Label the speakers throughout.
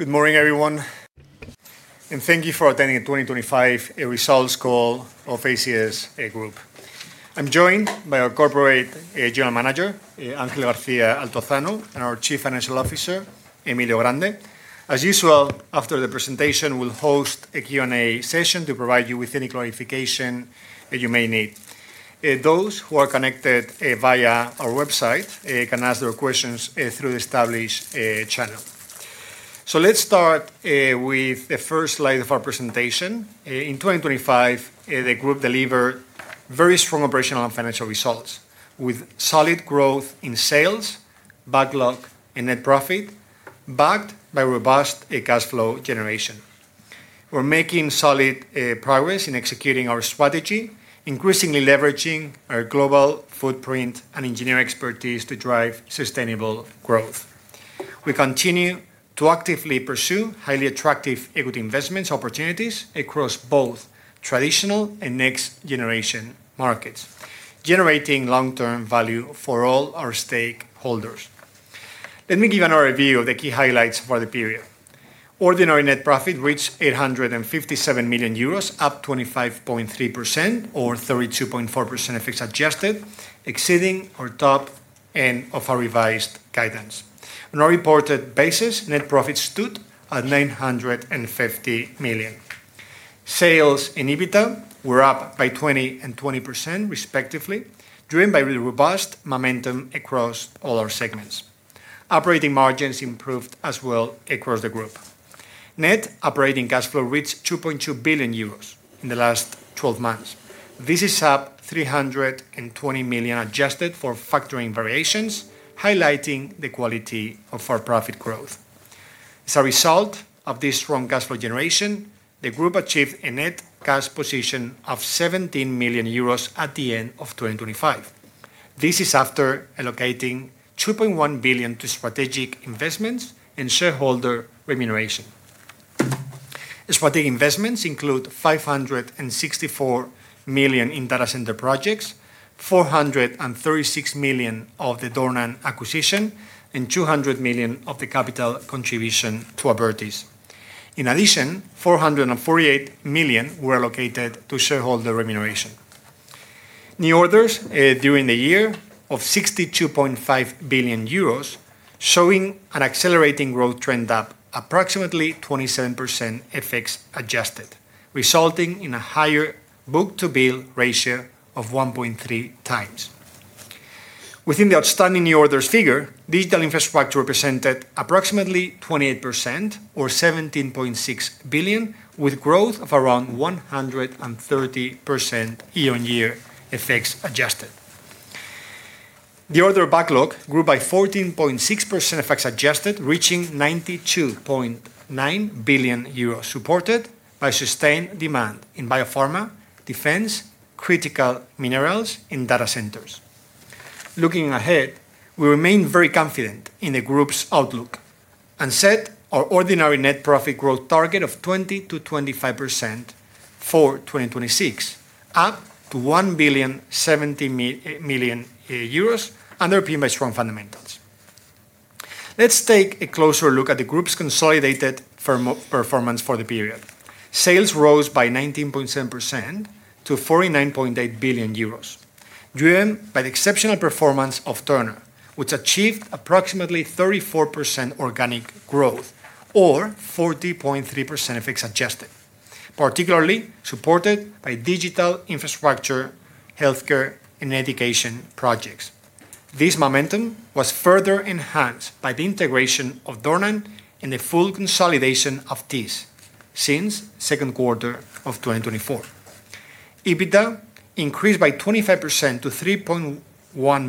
Speaker 1: Good morning, everyone, and thank you for attending the 2025 results call of ACS Group. I'm joined by our Corporate General Manager, Ángel García Altozano, and our Chief Financial Officer, Emilio Grande. As usual, after the presentation, we'll host a Q&A session to provide you with any clarification that you may need. Those who are connected via our website can ask their questions through the established channel. Let's start with the first slide of our presentation. In 2025, the group delivered very strong operational and financial results, with solid growth in sales, backlog, and net profit, backed by robust cash flow generation. We're making solid progress in executing our strategy, increasingly leveraging our global footprint and engineering expertise to drive sustainable growth. We continue to actively pursue highly attractive equity investments opportunities across both traditional and next-generation markets, generating long-term value for all our stakeholders. Let me give an overview of the key highlights for the period. Ordinary net profit reached 857 million euros, up 25.3%, or 32.4% FX-adjusted, exceeding our top end of our revised guidance. On a reported basis, net profit stood at 950 million. Sales and EBITDA were up by 20% and 20% respectively, driven by the robust momentum across all our segments. Operating margins improved as well across the group. Net operating cash flow reached 2.2 billion euros in the last 12 months. This is up 320 million, adjusted for factoring variations, highlighting the quality of our profit growth. As a result of this strong cash flow generation, the group achieved a net cash position of 17 million euros at the end of 2025. This is after allocating 2.1 billion to strategic investments and shareholder remuneration. Strategic investments include 564 million in Data Center projects, 436 million of the Dornan acquisition, and 200 million of the capital contribution to Abertis. In addition, 448 million were allocated to shareholder remuneration. New orders during the year of 62.5 billion euros, showing an accelerating growth trend, up approximately 27% FX-adjusted, resulting in a higher book-to-bill ratio of 1.3x. Within the outstanding new orders figure, Digital Infrastructure represented approximately 28%, or 17.6 billion, with growth of around 130% year-on-year, FX-adjusted. The order backlog grew by 14.6% FX-adjusted, reaching 92.9 billion euros, supported by sustained demand in Biopharma, Defense, Critical Minerals, and Data Centers. Looking ahead, we remain very confident in the group's outlook and set our ordinary net profit growth target of 20%-25% for 2026, up to 1.17 billion, underpinned by strong fundamentals. Let's take a closer look at the group's consolidated performance for the period. Sales rose by 19.7% to 49.8 billion euros, driven by the exceptional performance of Turner, which achieved approximately 34% organic growth or 40.3% FX-adjusted, particularly supported by Digital Infrastructure, Healthcare, and Education projects. This momentum was further enhanced by the integration of Dornan and the full consolidation of this since second quarter of 2024. EBITDA increased by 25% to 3.1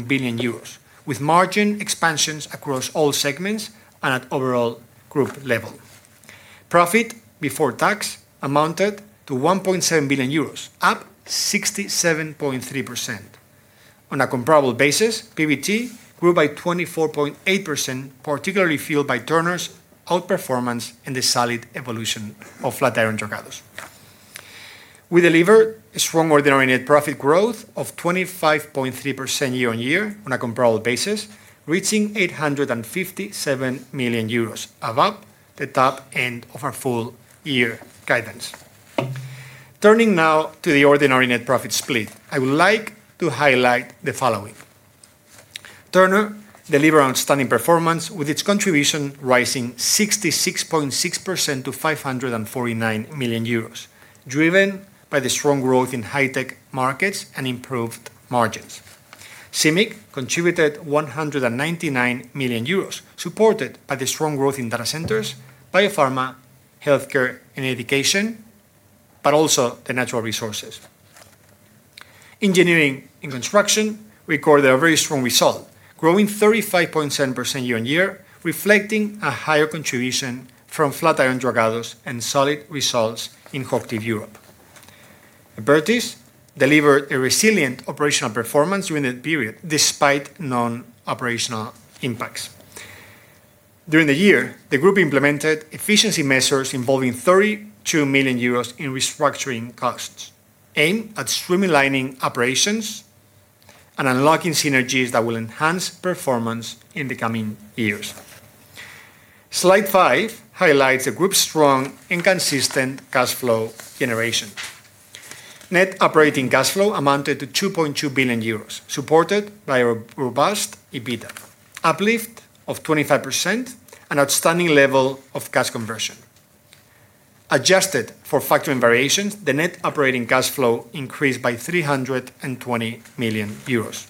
Speaker 1: billion euros, with margin expansions across all segments and at overall group level. Profit before tax amounted to 1.7 billion euros, up 67.3%. On a comparable basis, PBT grew by 24.8%, particularly fueled by Turner's outperformance and the solid evolution of FlatironDragados. We delivered a strong ordinary net profit growth of 25.3% year-on-year on a comparable basis, reaching 857 million euros, above the top end of our full year guidance. Turning now to the ordinary net profit split, I would like to highlight the following. Turner delivered an outstanding performance, with its contribution rising 66.6% to 549 million euros, driven by the strong growth in high-tech markets and improved margins. CIMIC contributed 199 million euros, supported by the strong growth in Data Centers, Biopharma, Healthcare, and Education, also the Natural Resources. Engineering & Construction recorded a very strong result, growing 35.7% year-over-year, reflecting a higher contribution from FlatironDragados and solid results in Hochtief Europe. Abertis delivered a resilient operational performance during the period, despite non-operational impacts. During the year, the group implemented efficiency measures involving 32 million euros in restructuring costs, aimed at streamlining operations and unlocking synergies that will enhance performance in the coming years. Slide five highlights the group's strong and consistent cash flow generation. Net operating cash flow amounted to 2.2 billion euros, supported by a robust EBITDA, uplift of 25%, and outstanding level of cash conversion. Adjusted for factoring variations, the net operating cash flow increased by 320 million euros.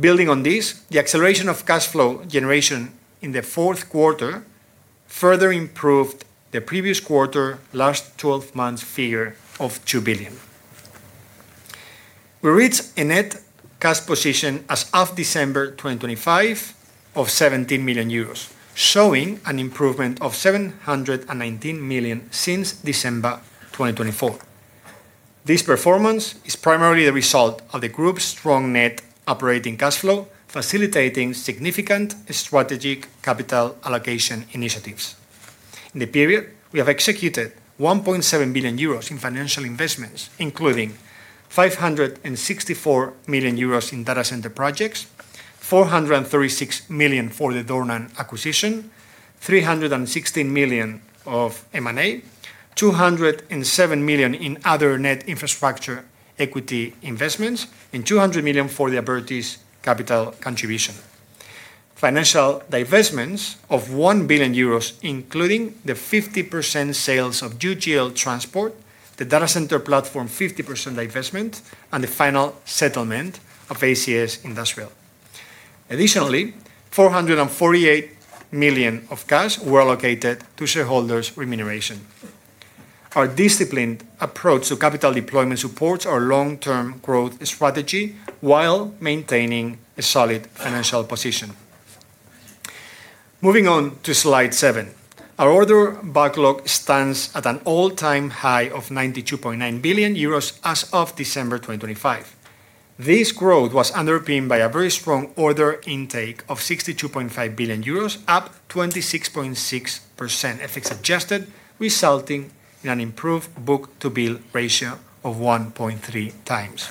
Speaker 1: Building on this, the acceleration of cash flow generation in the fourth quarter further improved the previous quarter last twelve months figure of 2 billion. We reached a net cash position as of December 2025 of 17 million euros, showing an improvement of 719 million since December 2024. This performance is primarily the result of the group's strong net operating cash flow, facilitating significant strategic capital allocation initiatives. In the period, we have executed 1.7 billion euros in financial investments, including 564 million euros in Data Center projects, 436 million for the Dornan acquisition, 316 million of M&A, 207 million in other net infrastructure equity investments, and 200 million for the Abertis capital contribution. Financial divestments of 1 billion euros, including the 50% sales of UGL Transport, the Data Center platform, 50% divestment, and the final settlement of ACS Industrial. Additionally, 448 million of cash were allocated to shareholders' remuneration. Our disciplined approach to capital deployment supports our long-term growth strategy while maintaining a solid financial position. Moving on to slide seven. Our order backlog stands at an all-time high of 92.9 billion euros as of December 2025. This growth was underpinned by a very strong order intake of 62.5 billion euros, up 26.6%, FX-adjusted, resulting in an improved book-to-bill ratio of 1.3x.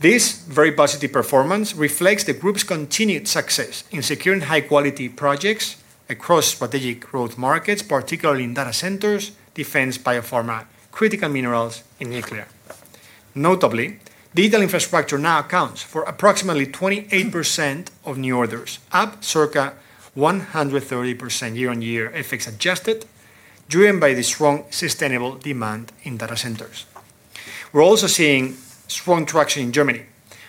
Speaker 1: This very positive performance reflects the group's continued success in securing high-quality projects across strategic growth markets, particularly in Data Centers, Defense, Biopharma, Critical Minerals, and Nuclear. Notably, Digital Infrastructure now accounts for approximately 28% of new orders, up circa 130% year-on-year, FX-adjusted, driven by the strong, sustainable demand in Data Centers. We're also seeing strong traction in Germany,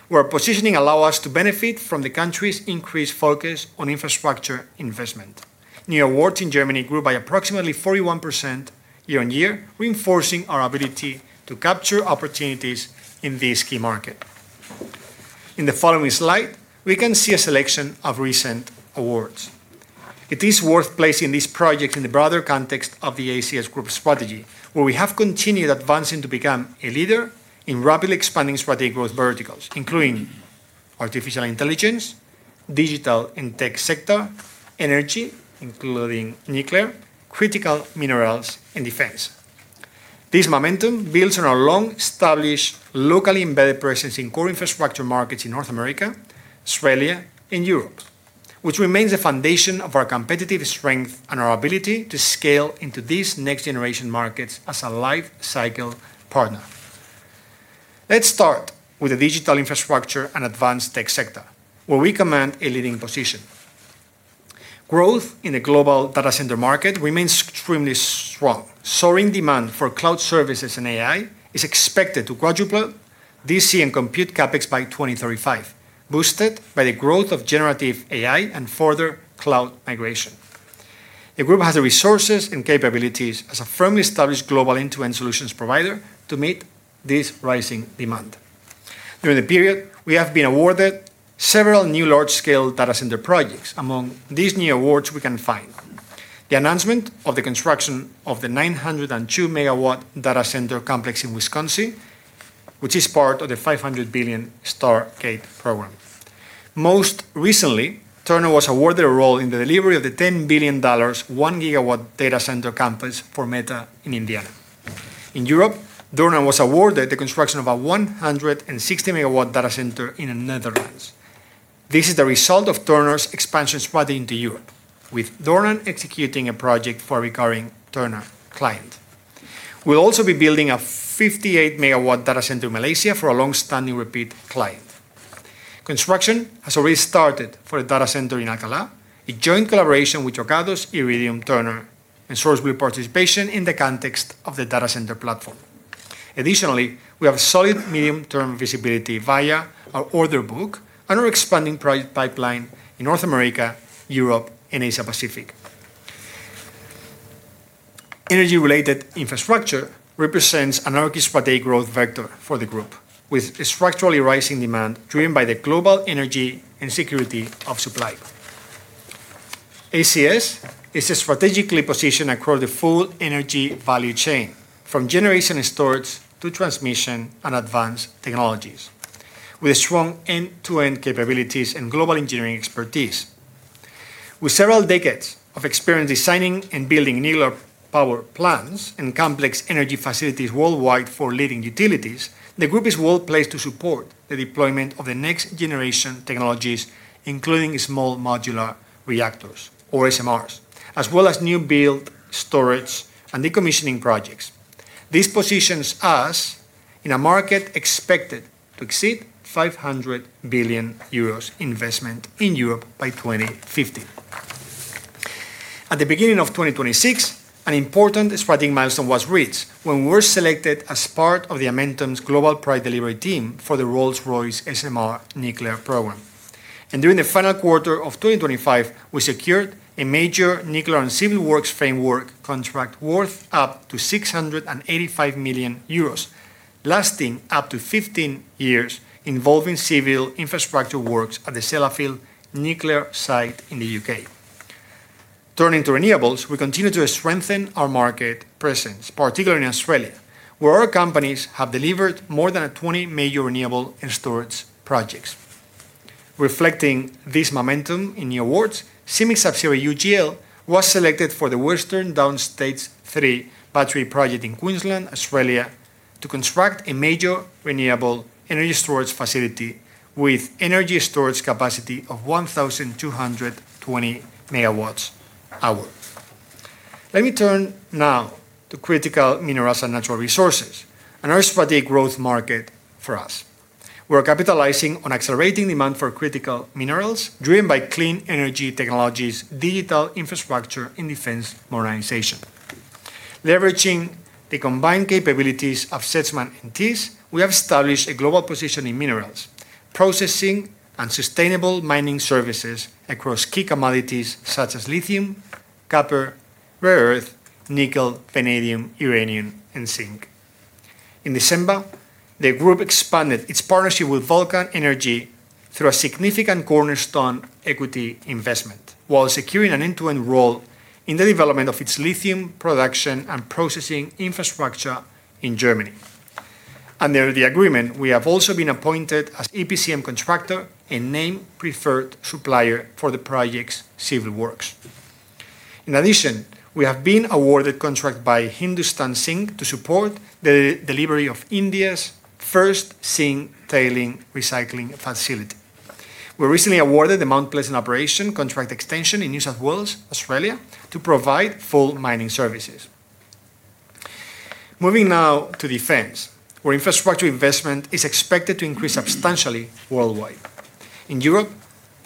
Speaker 1: where our positioning allow us to benefit from the country's increased focus on infrastructure investment. New awards in Germany grew by approximately 41% year-on-year, reinforcing our ability to capture opportunities in this key market. In the following slide, we can see a selection of recent awards. It is worth placing these projects in the broader context of the ACS Group strategy, where we have continued advancing to become a leader in rapidly expanding strategic growth verticals, including artificial intelligence, Digital and Tech sector, Energy, including nuclear, Critical Minerals, and Defense. This momentum builds on our long-established, locally embedded presence in core infrastructure markets in North America, Australia, and Europe, which remains the foundation of our competitive strength and our ability to scale into these next-generation markets as a life cycle partner. Let's start with the Digital Infrastructure and Advanced Tech sector, where we command a leading position. Growth in the global Data Center market remains extremely strong. Soaring demand for cloud services and AI is expected to quadruple DC and compute CapEx by 2035, boosted by the growth of generative AI and further cloud migration. The group has the resources and capabilities as a firmly established global end-to-end solutions provider to meet this rising demand. During the period, we have been awarded several new large-scale Data Center projects. Among these new awards, we can find the announcement of the construction of the 902 MW Data Center complex in Wisconsin, which is part of the $500 billion Stargate program. Most recently, Turner was awarded a role in the delivery of the $10 billion, 1 GW Data Center campus for Meta in Indiana. In Europe, Dornan was awarded the construction of a 160 MW Data Center in the Netherlands. This is the result of Turner's expansion strategy into Europe, with Dornan executing a project for recurring Turner client. We'll also be building a 58 MW Data Center in Malaysia for a long-standing repeat client. Construction has already started for a Data Center in Alcalá, a joint collaboration with Dragados, Iridium, Turner, and SourceBlue participation in the context of the Data Center platform. Additionally, we have solid medium-term visibility via our order book and our expanding project pipeline in North America, Europe, and Asia Pacific. Energy-related infrastructure represents another strategic growth vector for the group, with a structurally rising demand driven by the global energy and security of supply. ACS is strategically positioned across the full energy value chain, from generation and storage, to transmission and advanced technologies. With several decades of experience designing and building nuclear power plants and complex energy facilities worldwide for leading utilities, the group is well-placed to support the deployment of the next generation technologies, including small modular reactors, or SMRs, as well as new build, storage, and decommissioning projects. This positions us in a market expected to exceed 500 billion euros investment in Europe by 2050. At the beginning of 2026, an important strategic milestone was reached when we were selected as part of Amentum's global project delivery team for the Rolls-Royce SMR nuclear program. During the final quarter of 2025, we secured a major nuclear and civil works framework contract worth up to 685 million euros, lasting up to 15 years, involving civil infrastructure works at the Sellafield nuclear site in the U.K. Turning to renewables, we continue to strengthen our market presence, particularly in Australia, where our companies have delivered more than 20 major renewable and storage projects. Reflecting this momentum in new awards, CIMIC's UGL was selected for the Western Downs Stage 3 Battery project in Queensland, Australia, to construct a major renewable energy storage facility with energy storage capacity of 1,220 MWh. Let me turn now to critical minerals and natural resources, another strategic growth market for us. We're capitalizing on accelerating demand for critical minerals, driven by clean energy technologies, Digital Infrastructure, and Defense modernization. Leveraging the combined capabilities of Sedgman and Thiess, we have established a global position in minerals, processing and sustainable mining services across key commodities such as lithium, copper, rare earth, nickel, vanadium, uranium, and zinc. In December, the group expanded its partnership with Vulcan Energy through a significant cornerstone equity investment, while securing an end-to-end role in the development of its lithium production and processing infrastructure in Germany. Under the agreement, we have also been appointed as EPCM contractor and named preferred supplier for the project's civil works. In addition, we have been awarded contract by Hindustan Zinc to support the delivery of India's first zinc tailing recycling facility. We were recently awarded the Mount Pleasant operation contract extension in New South Wales, Australia, to provide full mining services. Moving now to Defense, where infrastructure investment is expected to increase substantially worldwide. In Europe,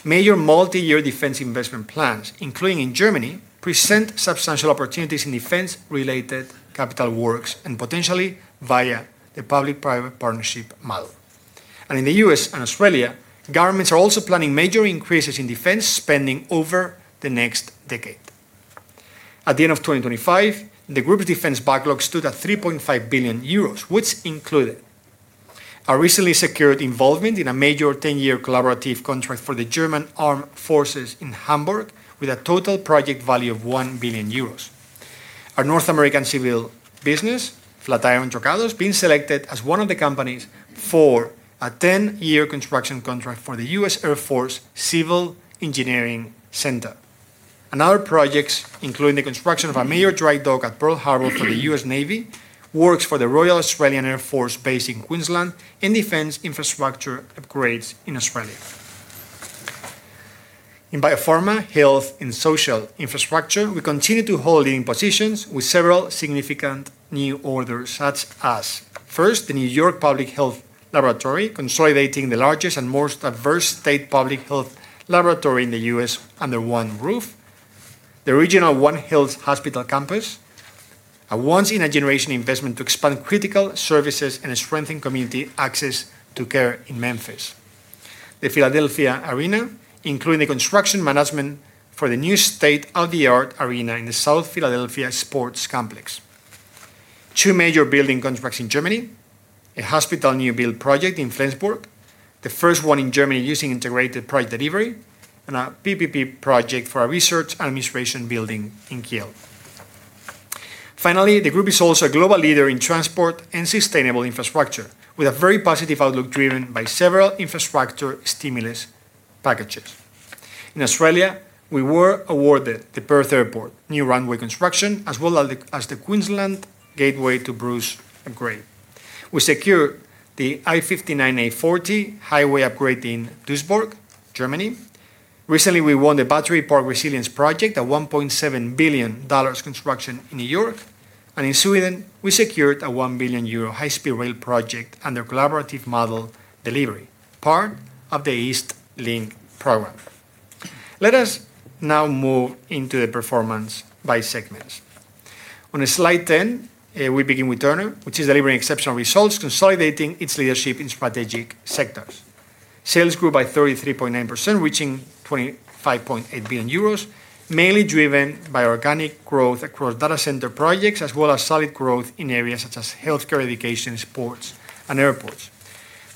Speaker 1: major multi-year Defense investment plans, including in Germany, present substantial opportunities in Defense-related capital works and potentially via the public-private partnership model. In the U.S. and Australia, governments are also planning major increases in Defense spending over the next decade. At the end of 2025, the group's Defense backlog stood at 3.5 billion euros, which included our recently secured involvement in a major 10-year collaborative contract for the German Armed Forces in Hamburg, with a total project value of 1 billion euros. Our North American civil business, FlatironDragados, being selected as one of the companies for a 10-year construction contract for the U.S. Air Force Civil Engineer Center. Other projects, including the construction of a major dry dock at Pearl Harbor for the U.S. Navy, works for the Royal Australian Air Force base in Queensland, and Defense infrastructure upgrades in Australia. In biopharma, health, and social infrastructure, we continue to hold leading positions with several significant new orders, such as, first, the New York Public Health Laboratory, consolidating the largest and diverse state public health laboratory in the U.S. under one roof. The Regional One Health's Hospital campus, a once-in-a-generation investment to expand critical services and strengthen community access to care in Memphis. The Philadelphia Arena, including the construction management for the new state-of-the-art arena in the South Philadelphia Sports Complex. Two major building contracts in Germany, a hospital new build project in Flensburg, the first one in Germany using integrated project delivery, and a PPP project for a research and administration building in Kiel. The group is also a global leader in transport and sustainable infrastructure, with a very positive outlook driven by several infrastructure stimulus packages. In Australia, we were awarded the Perth Airport new runway construction, as well as the Queensland Gateway to Bruce Upgrade. We secured the A59/A40 highway upgrade in Duisburg, Germany. Recently, we won the Battery Park Resiliency project, a $1.7 billion construction in New York. In Sweden, we secured a 1 billion euro high-speed rail project under collaborative model delivery, part of the East Link program. Let us now move into the performance by segments. On slide 10, we begin with Turner, which is delivering exceptional results, consolidating its leadership in strategic sectors. Sales grew by 33.9%, reaching 25.8 billion euros, mainly driven by organic growth across Data Center projects, as well as solid growth in areas such as Healthcare, Education, Sports, and Airports.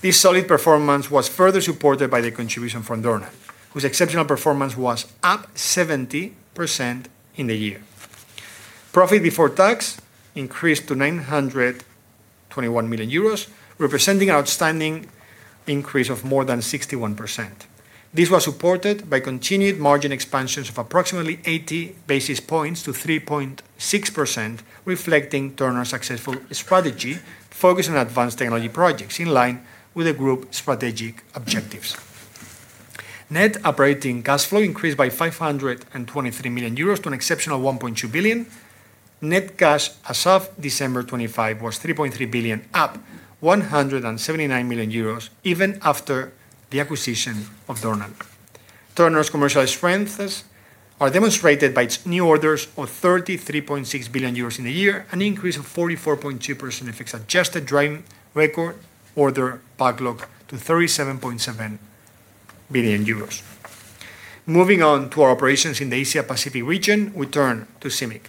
Speaker 1: This solid performance was further supported by the contribution from Dornan, whose exceptional performance was up 70% in the year. Profit before tax increased to 921 million euros, representing an outstanding increase of more than 61%. This was supported by continued margin expansions of approximately 80 basis points to 3.6%, reflecting Turner's successful strategy, focused on advanced technology projects in line with the group's strategic objectives. Net operating cash flow increased by 523 million euros to an exceptional 1.2 billion. Net cash as of December 25 was 3.3 billion, up 179 million euros, even after the acquisition of Turner. Turner's commercial strengths are demonstrated by its new orders of 33.6 billion euros in the year, an increase of 44.2% in FX-adjusted driving record, order backlog to 37.7 billion euros. Moving on to our operations in the Asia Pacific region, we turn to CIMIC,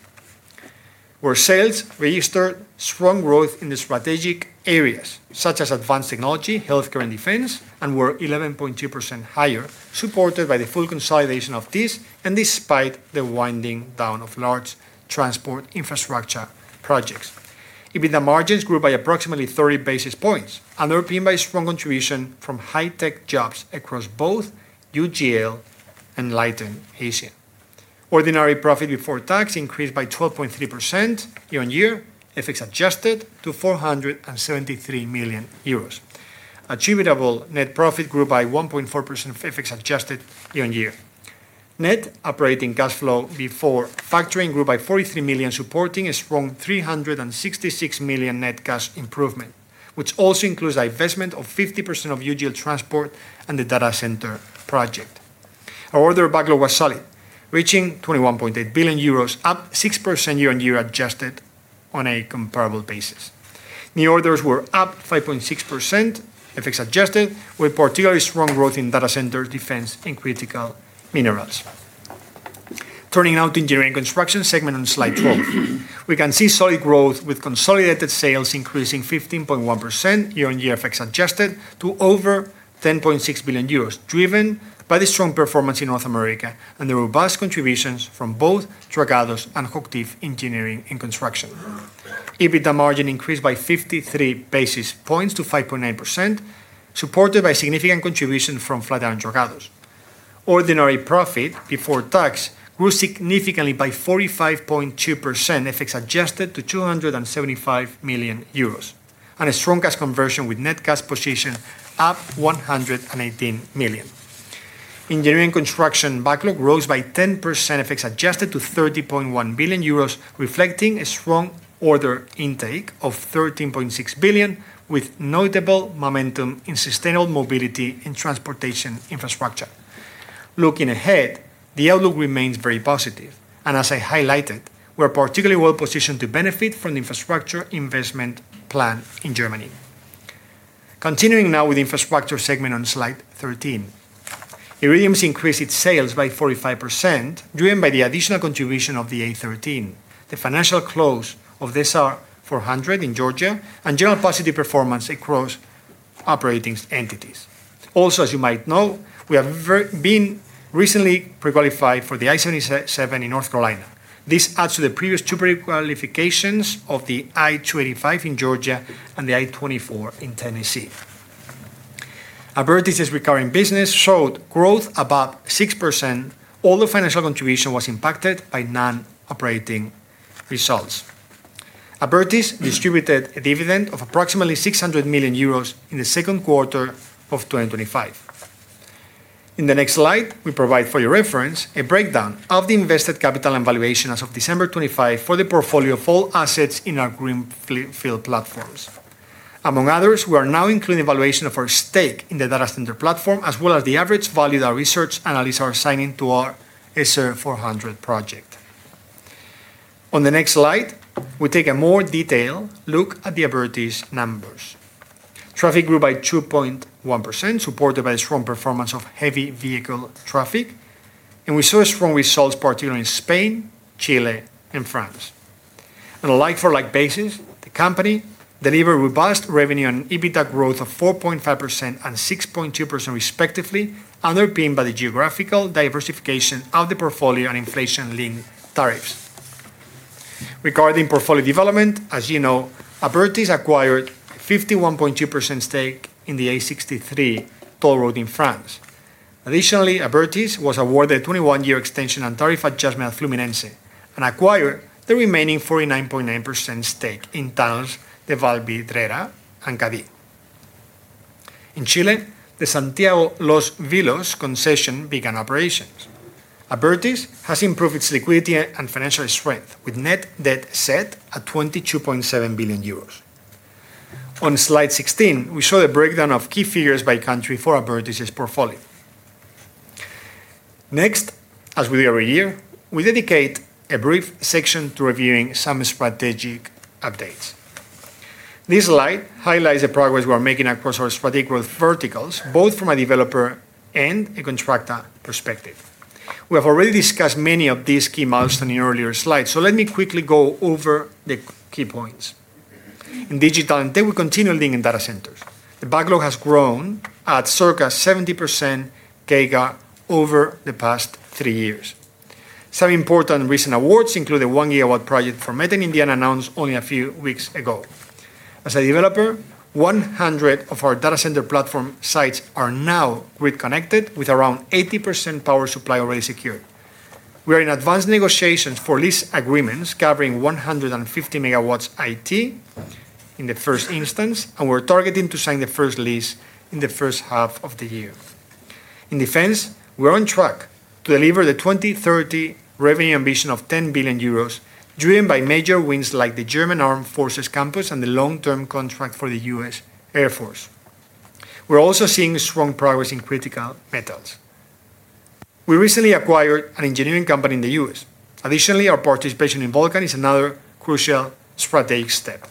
Speaker 1: where sales registered strong growth in the strategic areas, such as advanced technology, healthcare, and Defense, and were 11.2% higher, supported by the full consolidation of this and despite the winding down of large transport infrastructure projects. EBITDA margins grew by approximately 30 basis points, underpinned by strong contribution from high-tech jobs across both UGL and Leighton Asia. Ordinary profit before tax increased by 12.3% year-on-year, FX-adjusted to 473 million euros. Attributable net profit grew by 1.4%, FX-adjusted year-on-year. Net operating cash flow before factoring grew by 43 million, supporting a strong 366 million net cash improvement, which also includes investment of 50% of UGL Transport and the Data Center project. Our order backlog was solid, reaching 21.8 billion euros, up 6% year-on-year, adjusted on a comparable basis. New orders were up 5.6%, FX-adjusted, with particularly strong growth in Data Center, Defense, and Critical Minerals. Turning now to Engineering & Construction segment on slide 12. We can see solid growth, with consolidated sales increasing 15.1% year-on-year, FX-adjusted, to over 10.6 billion euros, driven by the strong performance in North America and the robust contributions from both Dragados and Hochtief Engineering and Construction. EBITDA margin increased by 53 basis points to 5.9%, supported by significant contribution from FlatironDragados. Ordinary profit before tax grew significantly by 45.2%, FX-adjusted to 275 million euros, and a strong cash conversion with net cash position up 118 million. Engineering construction backlog rose by 10%, FX-adjusted to 30.1 billion euros, reflecting a strong order intake of 13.6 billion, with notable momentum in sustainable mobility and transportation infrastructure. Looking ahead, the outlook remains very positive. As I highlighted, we're particularly well positioned to benefit from the infrastructure investment plan in Germany. Continuing now with the infrastructure segment on slide 13. Iridium's increased its sales by 45%, driven by the additional contribution of the A13, the financial close of the SR-400 in Georgia, and general positive performance across operating entities. As you might know, we have been recently pre-qualified for the I-77 in North Carolina. This adds to the previous two pre-qualifications of the I-25 in Georgia and the I-24 in Tennessee. Abertis' recurring business showed growth above 6%. All the financial contribution was impacted by non-operating results. Abertis distributed a dividend of approximately 600 million euros in the second quarter of 2025. In the next slide, we provide, for your reference, a breakdown of the invested capital and valuation as of December 25 for the portfolio of all assets in our greenfield platforms. Among others, we are now including valuation of our stake in the Data Center platform, as well as the average value that our research analysts are assigning to our SR-400 project. On the next slide, we take a more detailed look at the Abertis numbers. Traffic grew by 2.1%, supported by a strong performance of heavy vehicle traffic, we saw strong results, particularly in Spain, Chile, and France. On a like-for-like basis, the company delivered robust revenue and EBITDA growth of 4.5% and 6.2% respectively, underpinned by the geographical diversification of the portfolio and inflation link tariffs. Regarding portfolio development, as you know, Abertis acquired 51.2% stake in the A63 toll road in France. Abertis was awarded a 21-year extension and tariff adjustment at Fluminense and acquired the remaining 49.9% stake in Túnels de Barcelona i Cadí. In Chile, the Santiago Los Vilos concession began operations. Abertis has improved its liquidity and financial strength, with net debt set at 22.7 billion euros. On slide 16, we show a breakdown of key figures by country for Abertis' portfolio. As with every year, we dedicate a brief section to reviewing some strategic updates. This slide highlights the progress we're making across our strategic growth verticals, both from a developer and a contractor perspective. We have already discussed many of these key milestones in the earlier slides, let me quickly go over the key points. In Digital, we continue leading in Data Centers. The backlog has grown at circa 70% giga over the past three years. Some important recent awards include a one-year award project from Meta in India, announced only a few weeks ago. As a developer, 100 of our Data Center platform sites are now grid connected, with around 80% power supply already secured. We are in advanced negotiations for lease agreements covering 150 MW IT in the first instance, we're targeting to sign the first lease in the first half of the year. In Defense, we're on track to deliver the 2030 revenue ambition of 10 billion euros, driven by major wins like the German Armed Forces campus and the long-term contract for the U.S. Air Force. We're also seeing strong progress in critical metals. We recently acquired an engineering company in the U.S. Our participation in Vulcan is another crucial strategic step.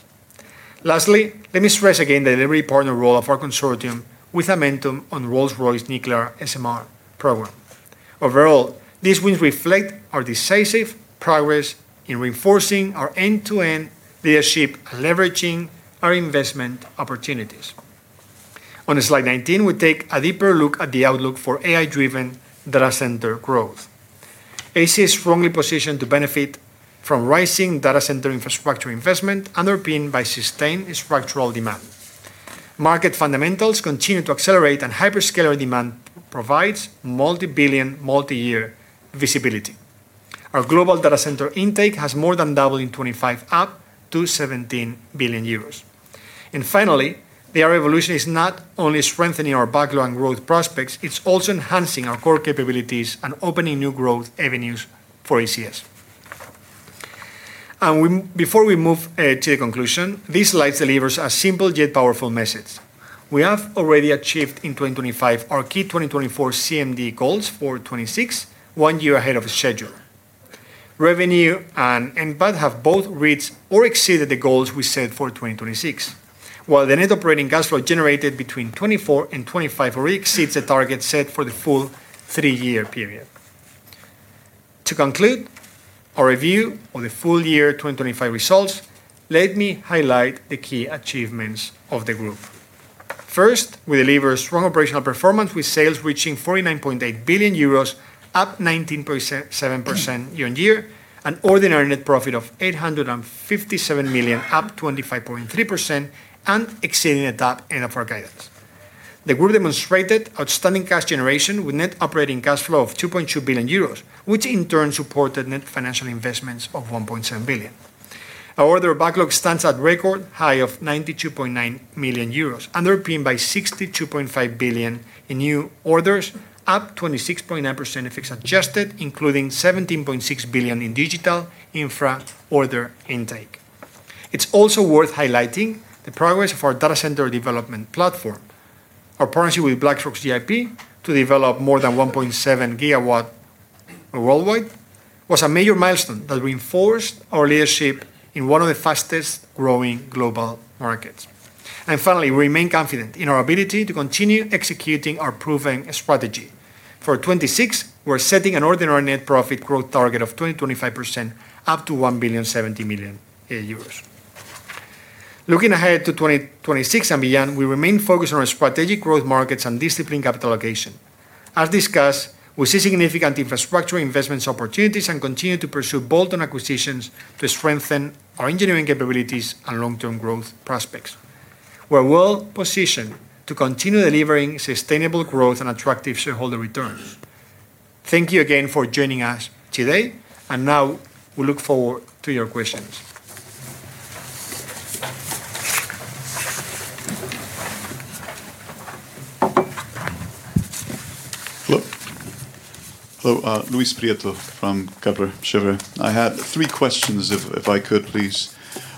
Speaker 1: Let me stress again the delivery partner role of our consortium with Amentum on Rolls-Royce Nuclear SMR program. These wins reflect our decisive progress in reinforcing our end-to-end leadership and leveraging our investment opportunities. On slide 19, we take a deeper look at the outlook for AI-driven Data Center growth. ACS is strongly positioned to benefit from rising data center infrastructure investment, underpinned by sustained structural demand. Market fundamentals continue to accelerate, and hyperscaler demand provides multi-billion, multi-year visibility. Our global Data Center intake has more than doubled in 2025, up to 17 billion euros. Finally, the AI revolution is not only strengthening our backlog and growth prospects, it's also enhancing our core capabilities and opening new growth avenues for ACS. Before we move to the conclusion, this slide delivers a simple yet powerful message. We have already achieved in 2025 our key 2024 CMD goals for 2026, one year ahead of schedule. Revenue and EBITDA have both reached or exceeded the goals we set for 2026, while the net operating cash flow generated between 2024 and 2025 already exceeds the target set for the full three-year period. To conclude our review of the full year 2025 results, let me highlight the key achievements of the group. We deliver strong operational performance, with sales reaching 49.8 billion euros, up 19%, 7% year-on-year, an ordinary net profit of 857 million, up 25.3%, and exceeding the top end of our guidance. The group demonstrated outstanding cash generation, with net operating cash flow of 2.2 billion euros, which in turn supported net financial investments of 1.7 billion. Our order backlog stands at record high of 92.9 million euros, underpinned by 62.5 billion in new orders, up 26.9% if it's adjusted, including 17.6 billion in digital infra order intake. It's also worth highlighting the progress of our Data Center development platform. Our partnership with BlackRock's GIP to develop more than 1.7 GW worldwide, was a major milestone that reinforced our leadership in one of the fastest-growing global markets. Finally, we remain confident in our ability to continue executing our proven strategy. For 2026, we're setting an ordinary net profit growth target of 20%-25%, up to 1.07 billion. Looking ahead to 2026 and beyond, we remain focused on our strategic growth markets and disciplined capital allocation. As discussed, we see significant infrastructure investments opportunities and continue to pursue bolt-on acquisitions to strengthen our engineering capabilities and long-term growth prospects. We're well positioned to continue delivering sustainable growth and attractive shareholder returns. Thank you again for joining us today. Now we look forward to your questions.
Speaker 2: Hello. Hello, Luis Prieto from Kepler Cheuvreux. I had three questions, if I could, please.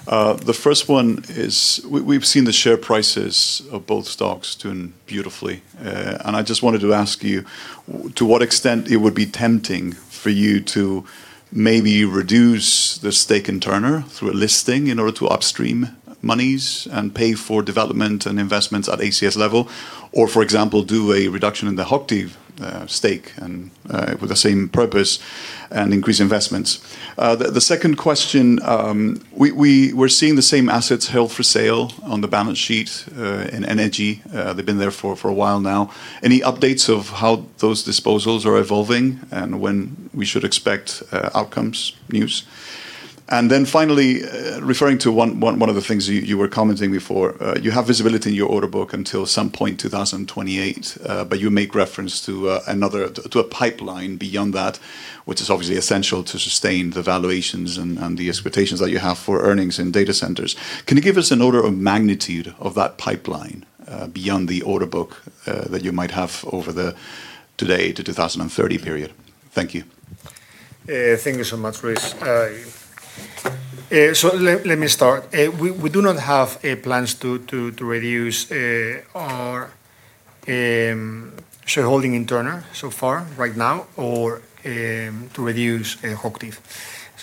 Speaker 2: The first one is, we're seeing the share prices of both stocks doing beautifully, and I just wanted to ask you, to what extent it would be tempting for you to maybe reduce the stake in Turner through a listing in order to upstream monies and pay for development and investments at ACS level? Or, for example, do a reduction in the Hochtief stake and, with the same purpose and increase investments. The second question, we're seeing the same assets held for sale on the balance sheet, in energy. They've been there for a while now. Any updates of how those disposals are evolving and when we should expect outcomes, news? Finally, referring to one of the things you were commenting before, you have visibility in your order book until some point in 2028, but you make reference to another, to a pipeline beyond that, which is obviously essential to sustain the valuations and the expectations that you have for earnings in Data Centers. Can you give us an order of magnitude of that pipeline beyond the order book that you might have over the today to 2030 period? Thank you.
Speaker 1: Thank you so much, Luis. Let me start. We do not have plans to reduce our shareholding in Turner so far, right now, or to reduce in Hochtief.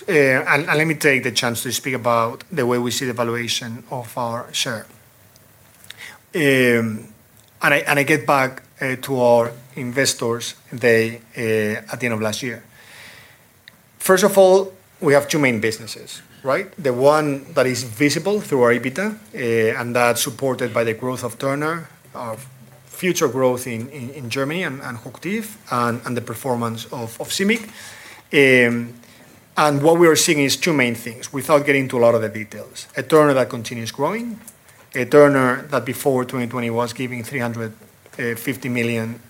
Speaker 1: Let me take the chance to speak about the way we see the valuation of our share. I get back to our investors day at the end of last year. First of all, we have two main businesses, right? The one that is visible through our EBITDA, that's supported by the growth of Turner, of future growth in Germany and Hochtief, and the performance of CIMIC. What we are seeing is two main things, without getting into a lot of the details: a Turner that continues growing, a Turner that before 2020 was giving 350 million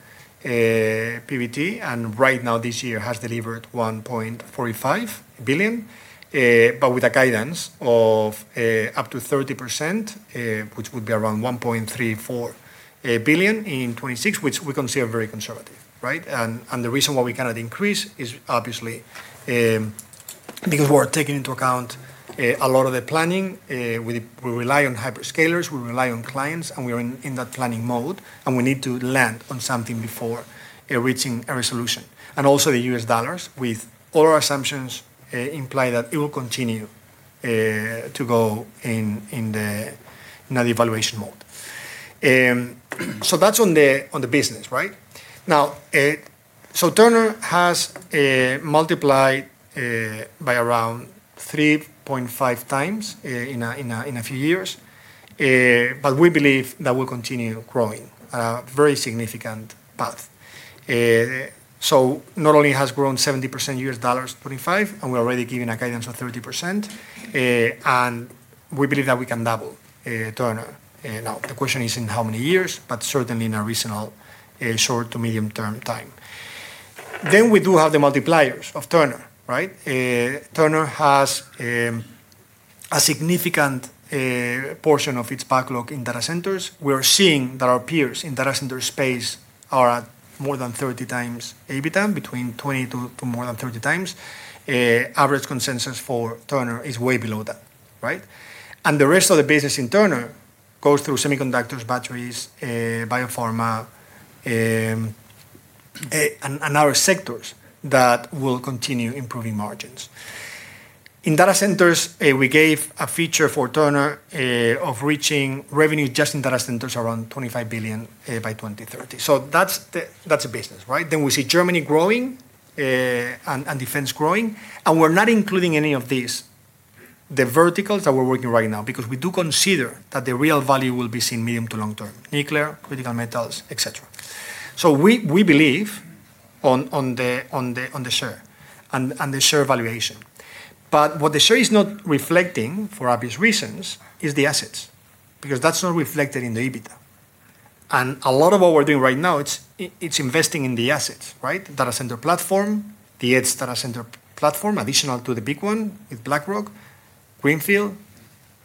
Speaker 1: PBT, and right now this year, has delivered 1.45 billion. With a guidance of up to 30%, which would be around 1.34 billion in 2026, which we consider very conservative, right? The reason why we cannot increase is obviously, because we are taking into account a lot of the planning. We rely on hyperscalers, we rely on clients, and we are in that planning mode, and we need to land on something before reaching a resolution. The U.S. dollars, with all our assumptions, imply that it will continue to go in a devaluation mode. That's on the business, right? Turner has multiplied by around 3.5x in a few years, we believe that we'll continue growing at a very significant path. Not only has grown 70% $25, we're already giving a guidance of 30%, we believe that we can double Turner. The question is in how many years, certainly in a reasonable short to medium-term time. We do have the multipliers of Turner, right? Turner has a significant portion of its backlog in Data Centers. We are seeing that our peers in Data Center space are at more than 30 times EBITDA, between 20 to more than 30x. Average consensus for Turner is way below that, right? The rest of the business in Turner goes through semiconductors, batteries, biopharma, and other sectors that will continue improving margins. In Data Centers, we gave a feature for Turner of reaching revenue just in Data Centers around $25 billion by 2030. That's the business, right? We see Germany growing, and Defense growing, and we're not including any of these verticals that we're working right now, because we do consider that the real value will be seen medium to long term, nuclear, critical metals, et cetera. We believe on the share and the share valuation. What the share is not reflecting, for obvious reasons, is the assets, because that's not reflected in the EBITDA. A lot of what we're doing right now, it's investing in the assets, right? Data Center platform, the ACS Data Center platform, additional to the big one with BlackRock, greenfield,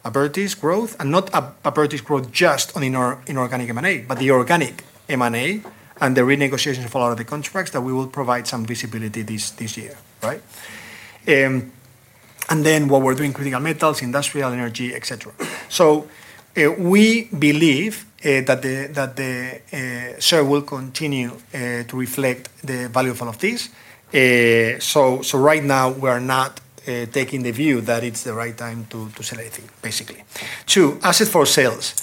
Speaker 1: Abertis growth, and not Abertis growth just on inorganic M&A, but the organic M&A and the renegotiation of a lot of the contracts that we will provide some visibility this year, right? What we're doing, Critical Metals, Industrial, Energy, et cetera. We believe that the share will continue to reflect the value of all of these. Right now, we are not taking the view that it's the right time to sell anything, basically. Two, asset for sales.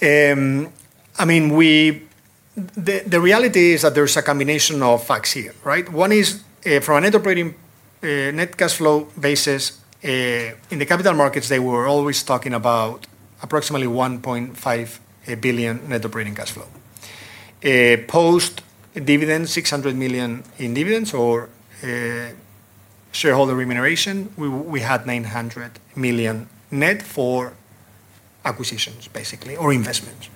Speaker 1: I mean, the reality is that there's a combination of facts here, right? One is, from a net operating net cash flow basis, in the capital markets, they were always talking about approximately 1.5 billion net operating cash flow. Post-dividend, 600 million in dividends or shareholder remuneration, we had 900 million net for acquisitions, basically, or investments.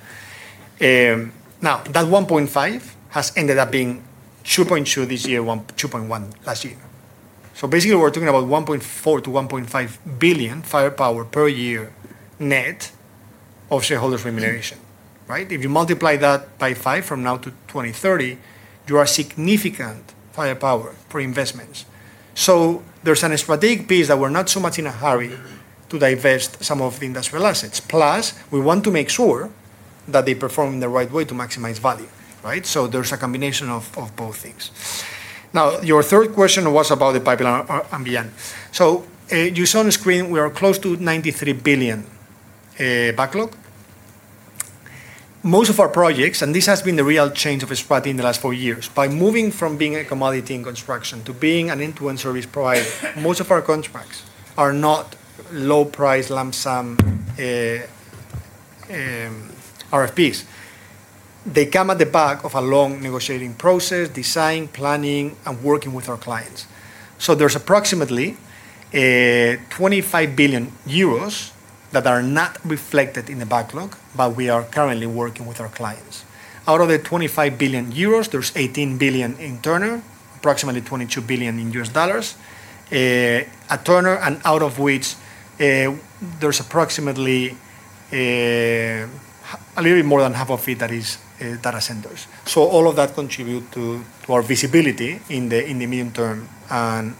Speaker 1: Now, that 1.5 has ended up being 2.2 this year, 2.1 last year. Basically, we're talking about 1.4 billion-1.5 billion firepower per year net of shareholder remuneration, right? If you multiply that by five from now to 2030, you are significant firepower for investments. There's a strategic piece that we're not so much in a hurry to divest some of the Industrial assets. Plus, we want to make sure that they perform in the right way to maximize value, right? There's a combination of both things. Your third question was about the pipeline and beyond. You saw on the screen we are close to 93 billion backlog. Most of our projects, and this has been the real change of strategy in the last four years, by moving from being a commodity in construction to being an end-to-end service provider, most of our contracts are not low-price, lump sum RFPs. They come at the back of a long negotiating process, design, planning, and working with our clients. there's approximately 25 billion euros that are not reflected in the backlog. We are currently working with our clients. Out of the 25 billion euros, there's 18 billion in Turner, approximately $22 billion at Turner, and out of which, there's approximately a little bit more than half of it that is Data Centers. All of that contribute to our visibility in the medium term, and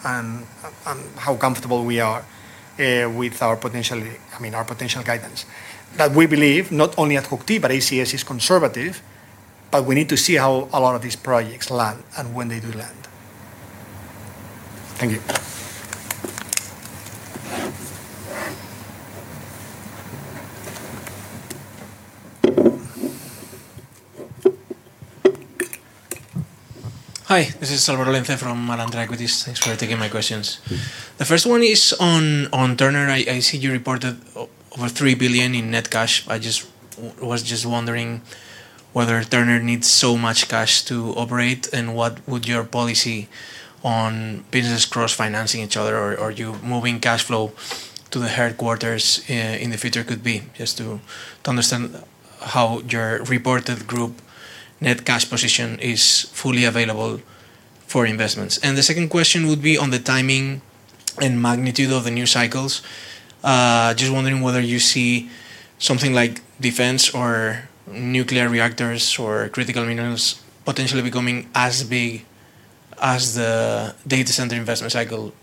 Speaker 1: how comfortable we are with our potential, I mean, our potential guidance. That we believe, not only at Hochtief, but ACS is conservative, but we need to see how a lot of these projects land and when they do land. Thank you.
Speaker 3: Hi, this is Álvaro Lenze from Alantra Equities. Thanks for taking my questions. The first one is on Turner. I see you reported over 3 billion in net cash. I just was wondering whether Turner needs so much cash to operate, and what would your policy on business cross-financing each other, or you moving cash flow to the headquarters in the future could be? Just to understand how your reported group net cash position is fully available for investments. The second question would be on the timing and magnitude of the new cycles. Just wondering whether you see something like Defense or nuclear reactors or Critical Minerals potentially becoming as big as the data center investment cycle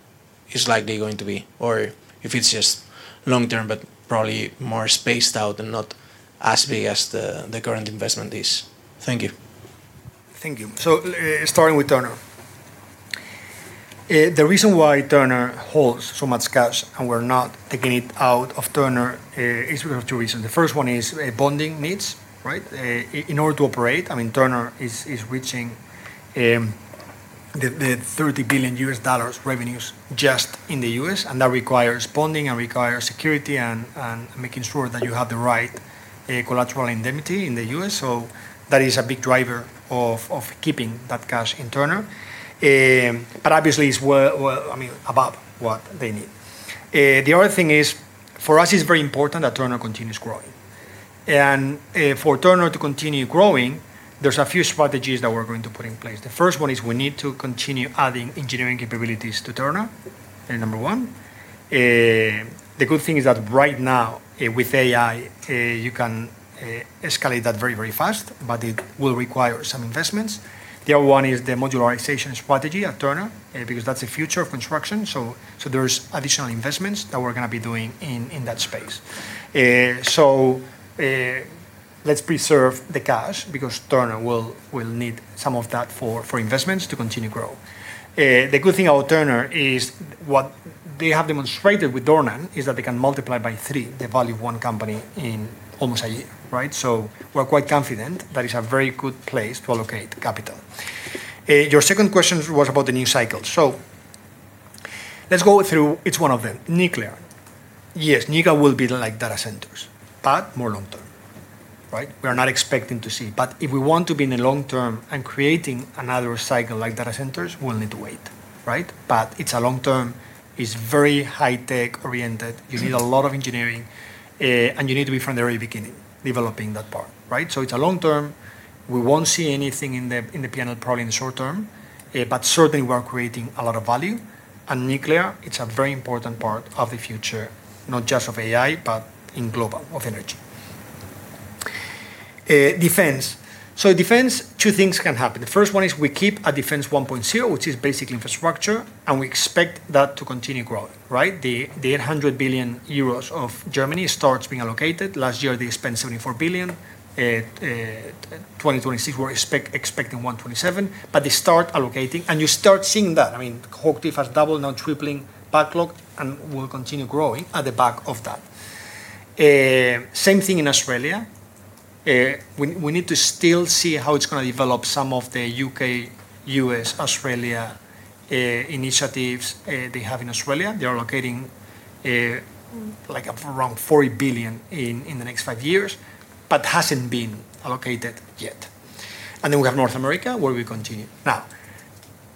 Speaker 3: is likely going to be, or if it's just long-term, but probably more spaced out and not as big as the current investment is? Thank you.
Speaker 1: Thank you. Starting with Turner. The reason why Turner holds so much cash, and we're not taking it out of Turner, is because of two reasons. The first one is, bonding needs, right? In order to operate, I mean, Turner is reaching the $30 billion revenues just in the U.S., and that requires bonding and requires security and making sure that you have the right, collateral indemnity in the U.S. That is a big driver of keeping that cash in Turner. Obviously, it's well, I mean, above what they need. The other thing is, for us, it's very important that Turner continues growing. For Turner to continue growing, there's a few strategies that we're going to put in place. The first one is we need to continue adding engineering capabilities to Turner, number one. The good thing is that right now, with AI, you can escalate that very, very fast, but it will require some investments. The other one is the modularization strategy at Turner, because that's the future of construction, so there's additional investments that we're gonna be doing in that space. Let's preserve the cash because Turner will need some of that for investments to continue to grow. The good thing about Turner is what they have demonstrated with Dornan is that they can multiply by three the value of one company in almost a year, right? We're quite confident that is a very good place to allocate capital. Your second question was about the new cycle. Let's go through each one of them. Nuclear. Yes, Nuclear will be like Data Centers, but more long-term, right? We are not expecting to see. If we want to be in the long term and creating another cycle like Data Centers, we'll need to wait, right? It's a long term, it's very high-tech oriented. You need a lot of engineering, and you need to be from the very beginning, developing that part, right? It's a long term. We won't see anything in the PNL probably in the short term, but certainly we are creating a lot of value. Nuclear, it's a very important part of the future, not just of AI, but in global, of energy. Defense. Defense, two things can happen. The first one is we keep a Defense 1.0, which is basically infrastructure. We expect that to continue growing, right? The 800 billion euros of Germany starts being allocated. Last year, they spent 74 billion. 2026, we're expecting 127 billion. They start allocating. You start seeing that. I mean, Hochtief has doubled, now tripling backlog. Will continue growing at the back of that. Same thing in Australia. We need to still see how it's gonna develop some of the U.K., U.S., Australia initiatives they have in Australia. They are allocating like around 40 billion in the next 5 years. Hasn't been allocated yet. We have North America, where we continue.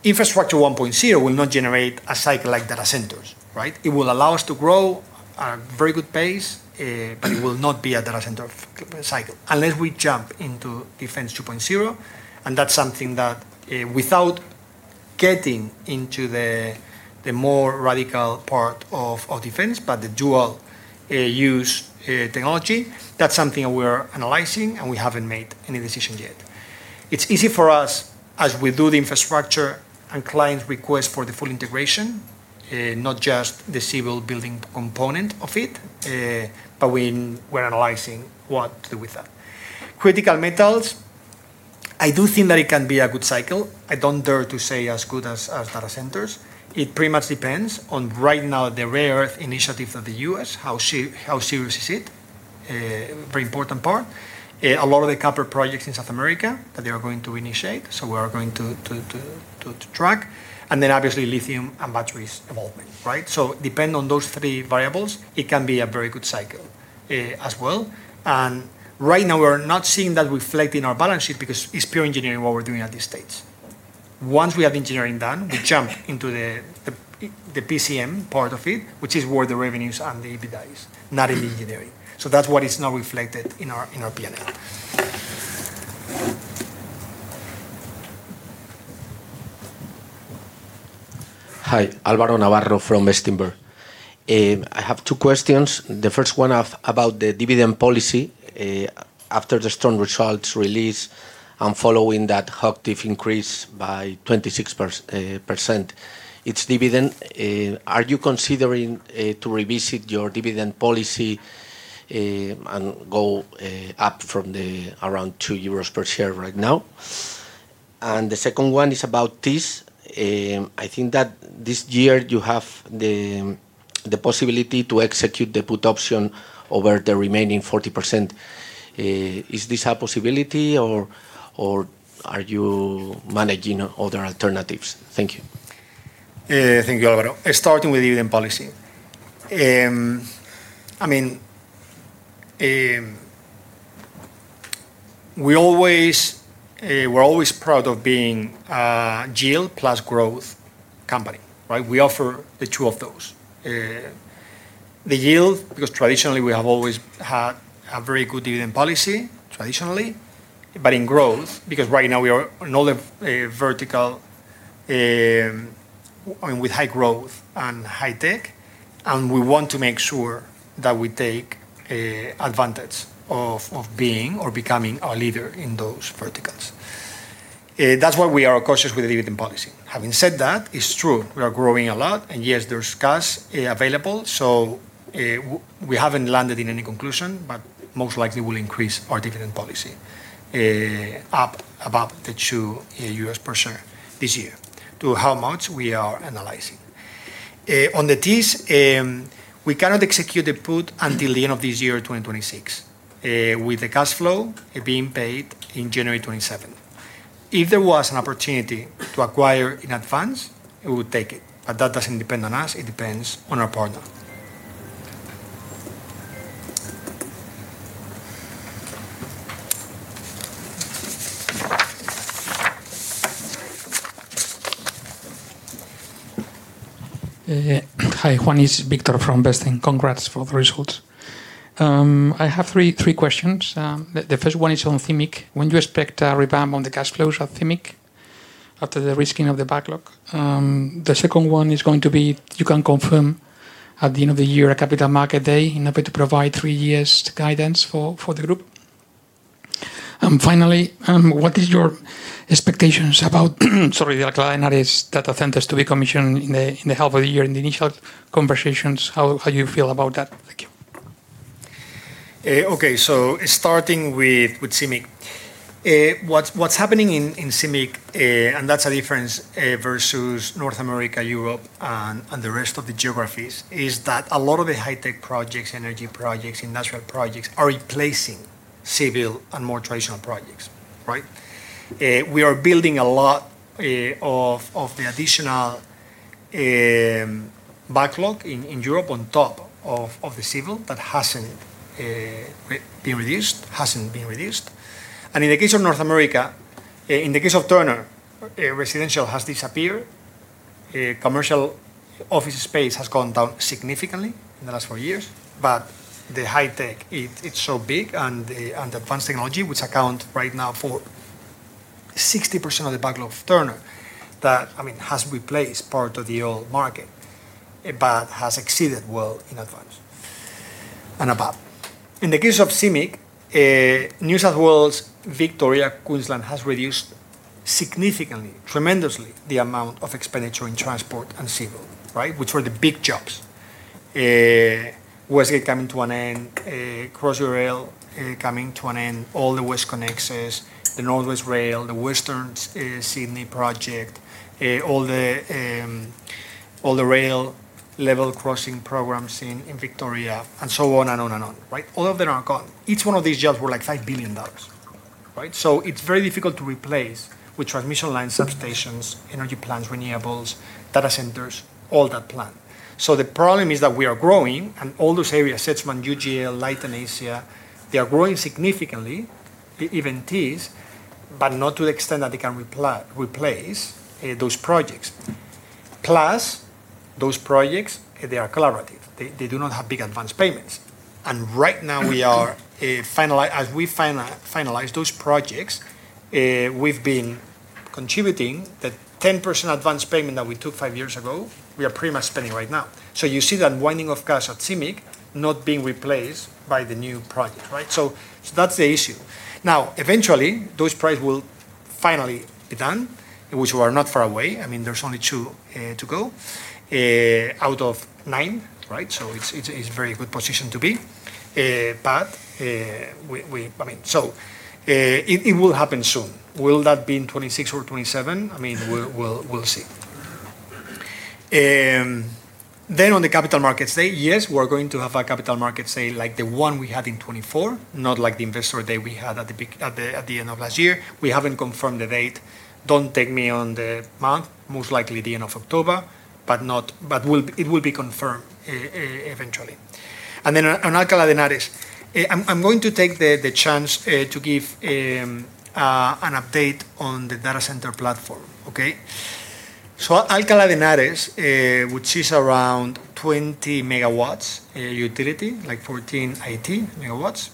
Speaker 1: Infrastructure 1.0 will not generate a cycle like Data Centers, right? It will allow us to grow at a very good pace, but it will not be a Data Center cycle unless we jump into Defense 2.0. That's something that, without getting into the more radical part of Defense, but the dual use technology, that's something that we're analyzing, and we haven't made any decision yet. It's easy for us as we do the infrastructure and client request for the full integration, not just the civil building component of it, but we're analyzing what to do with that. Critical metals, I do think that it can be a good cycle. I don't dare to say as good as Data Centers. It pretty much depends on, right now, the rare earth initiative of the U.S., how serious is it? A very important part. A lot of the copper projects in South America that they are going to track. Obviously, lithium and batteries involvement, right? Depend on those three variables, it can be a very good cycle as well. Right now, we're not seeing that reflect in our balance sheet because it's pure engineering, what we're doing at this stage. Once we have engineering done, we jump into the PCM part of it, which is where the revenues and the EBITDA is, not in the engineering. That's what is not reflected in our, in our PNL.
Speaker 4: Hi, Álvaro Navarro from Bestinver. I have two questions. The first one about the dividend policy. After the strong results release, and following that Hochtief increase by 26% its dividend, are you considering to revisit your dividend policy and go up from the around 2 euros per share right now? The second one is about Thiess. I think that Thiess year you have the possibility to execute the put option over the remaining 40%. Is Thiess a possibility, or are you managing other alternatives? Thank you.
Speaker 1: Thank you, Álvaro. Starting with dividend policy. I mean, we always, we're always proud of being a yield plus growth company, right? We offer the two of those. The yield, because traditionally we have always had a very good dividend policy, traditionally. But in growth, because right now we are in all the, vertical, I mean, with high growth and high tech, and we want to make sure that we take advantage of being or becoming a leader in those verticals. That's why we are cautious with the dividend policy. Having said that, it's true, we are growing a lot, and yes, there's cash available, so we haven't landed in any conclusion, but most likely we'll increase our dividend policy up above the $2 per share this year. To how much, we are analyzing. On the Thiess, we cannot execute the put until the end of Thiess year, 2026, with the cash flow being paid in January 27th. If there was an opportunity to acquire in advance, we would take it. That doesn't depend on us, it depends on our partner.
Speaker 5: Hi, Juan, it's Victor from Investing. Congrats for the results. I have 3 questions. The first one is on CIMIC. When do you expect a rebound on the cash flows at CIMIC after the risking of the backlog? The second one is going to be, you can confirm at the end of the year, a capital market day, in order to provide three years guidance for the group. Finally, what is your expectations about sorry, the client that is, Data Centers to be commissioned in the half of the year, in the initial conversations, how you feel about that? Thank you.
Speaker 1: Starting with CIMIC. What's happening in CIMIC, and that's a difference versus North America, Europe, and the rest of the geographies, is that a lot of the high-tech projects, energy projects, industrial projects are replacing civil and more traditional projects, right? We are building a lot of the additional backlog in Europe on top of the civil. That hasn't been reduced. In the case of North America, in the case of Turner, residential has disappeared, commercial office space has gone down significantly in the last four years. The high tech, it's so big, and the advanced technology, which account right now for 60% of the backlog of Turner, that, I mean, has replaced part of the old market, has exceeded well in advance and above. In the case of CIMIC, New South Wales, Victoria, Queensland has reduced significantly, tremendously, the amount of expenditure in transport and civil, right? Which were the big jobs. West Gate coming to an end, Crossrail coming to an end, all the WestConnexes, the Northwest Rail, the Western Sydney Project, all the rail level crossing programs in Victoria, and so on, and on, and on, right? All of them are gone. Each one of these jobs were like EUR 5 billion, right? It's very difficult to replace with transmission lines, substations, energy plants, renewables, Data Centers, all that plan. The problem is that we are growing, and all those areas, CIMIC, UGL, Leighton Asia, they are growing significantly, even Thiess, but not to the extent that they can replace those projects. Plus, those projects, they are collaborative. They do not have big advance payments. Right now we are, as we finalize those projects, we've been contributing... That 10% advance payment that we took 5 years ago, we are pretty much spending right now. You see that unwinding of cash at CIMIC not being replaced by the new project, right? That's the issue. Now, eventually, those projects will finally be done, which we are not far away. I mean, there's only two to go out of nine, right? It's a very good position to be, but I mean, so it will happen soon. Will that be in 2026 or 2027? I mean, we'll see. On the Capital Markets Day, yes, we're going to have a Capital Markets Day like the one we had in 2024, not like the Investor Day we had at the peak, at the end of last year. We haven't confirmed the date. Don't take me on the month, most likely the end of October, but not. It will be confirmed eventually. On Alcalá de Henares, I'm going to take the chance to give an update on the Data Center platform, okay? Alcalá de Henares, which is around 20 MW, utility, like 14, 18 MW,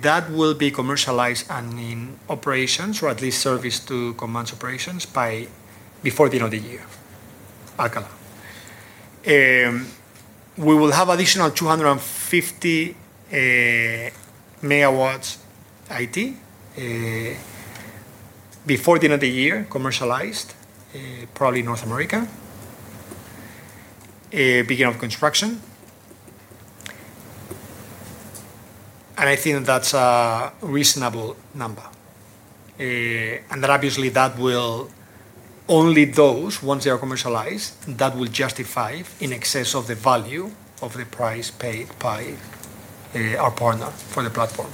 Speaker 1: that will be commercialized and in operations, or at least service to commence operations by before the end of the year, Alcalá. We will have additional 250 MW, IT, before the end of the year, commercialized, probably North America, beginning of construction. I think that's a reasonable number. Obviously, that will, only those, once they are commercialized, that will justify in excess of the value of the price paid by our partner for the platform.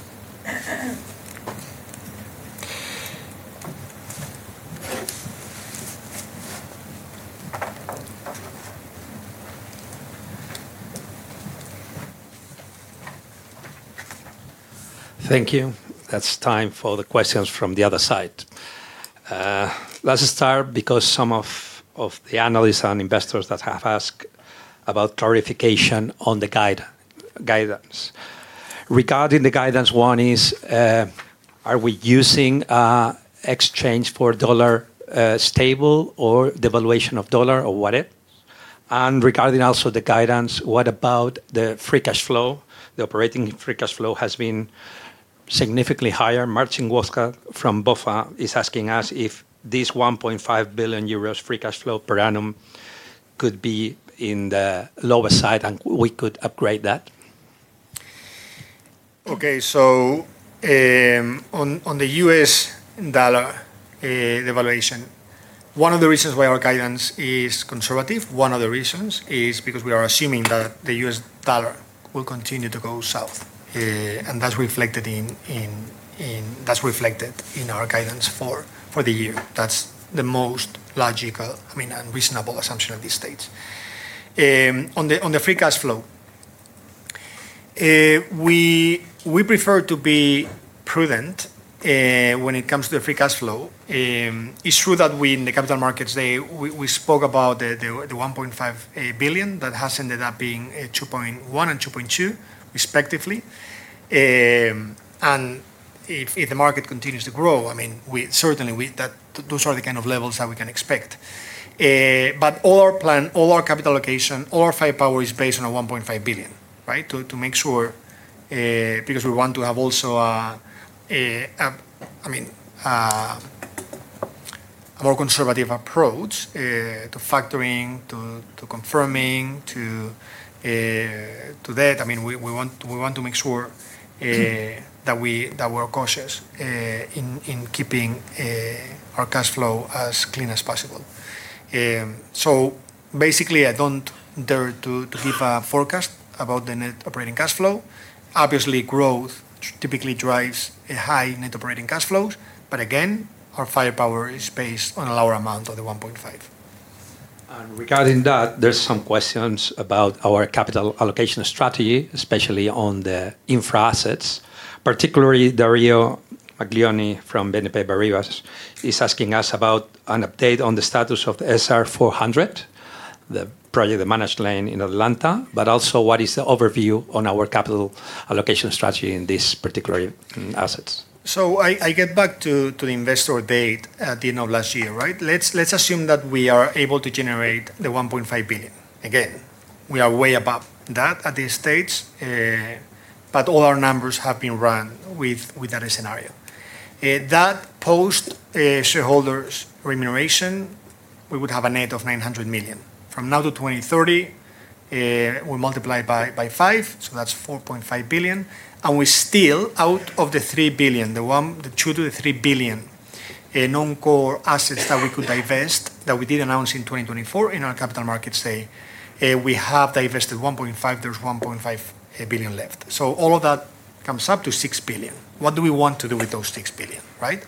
Speaker 6: Thank you. That's time for the questions from the other side. Let's start because some of the analysts and investors that have asked about clarification on the guidance. Regarding the guidance, one is: Are we using exchange for U.S. dollar stable or devaluation of U.S. dollar or what it? Regarding also the guidance, what about the free cash flow? The operating free cash flow has been significantly higher. Marcin Wojtal from BofA is asking us if this 1.5 billion euros free cash flow per annum could be in the lower side, and we could upgrade that.
Speaker 1: On the U.S. dollar devaluation, one of the reasons why our guidance is conservative, one of the reasons, is because we are assuming that the U.S. dollar will continue to go south, and that's reflected in our guidance for the year. That's the most logical, I mean, and reasonable assumption at Thiess stage. On the free cash flow, we prefer to be prudent when it comes to the free cash flow. It's true that we, in the capital markets day, we spoke about the 1.5 billion. That has ended up being 2.1 and 2.2 respectively. If the market continues to grow, I mean, we certainly, those are the kind of levels that we can expect. All our plan, all our capital allocation, all our firepower is based on a 1.5 billion, right? To make sure, because we want to have also I mean, a more conservative approach to factoring, to confirming, to that. I mean, we want to make sure that we're cautious in keeping our cash flow as clean as possible. Basically, I don't dare to give a forecast about the net operating cash flow. Obviously, growth typically drives a high net operating cash flows, again, our firepower is based on a lower amount of the 1.5.
Speaker 6: Regarding that, there's some questions about our capital allocation strategy, especially on the infra assets. Particularly, Dario Maglione from BNP Paribas, is asking us about an update on the status of SR-400, the project, the managed lane in Atlanta, also, what is the overview on our capital allocation strategy in these particular assets?
Speaker 1: I get back to the investor date at the end of last year, right? Let's assume that we are able to generate 1.5 billion. Again, we are way above that at this stage, but all our numbers have been run with that scenario. That post shareholders' remuneration, we would have a net of 900 million. From now to 2030, we multiply by five, so that's 4.5 billion, and we still, out of the 3 billion, the 2 billion-3 billion in non-core assets that we could divest, that we did announce in 2024 in our capital markets day, we have divested 1.5 billion. There's 1.5 billion left. All of that comes up to 6 billion. What do we want to do with those 6 billion, right?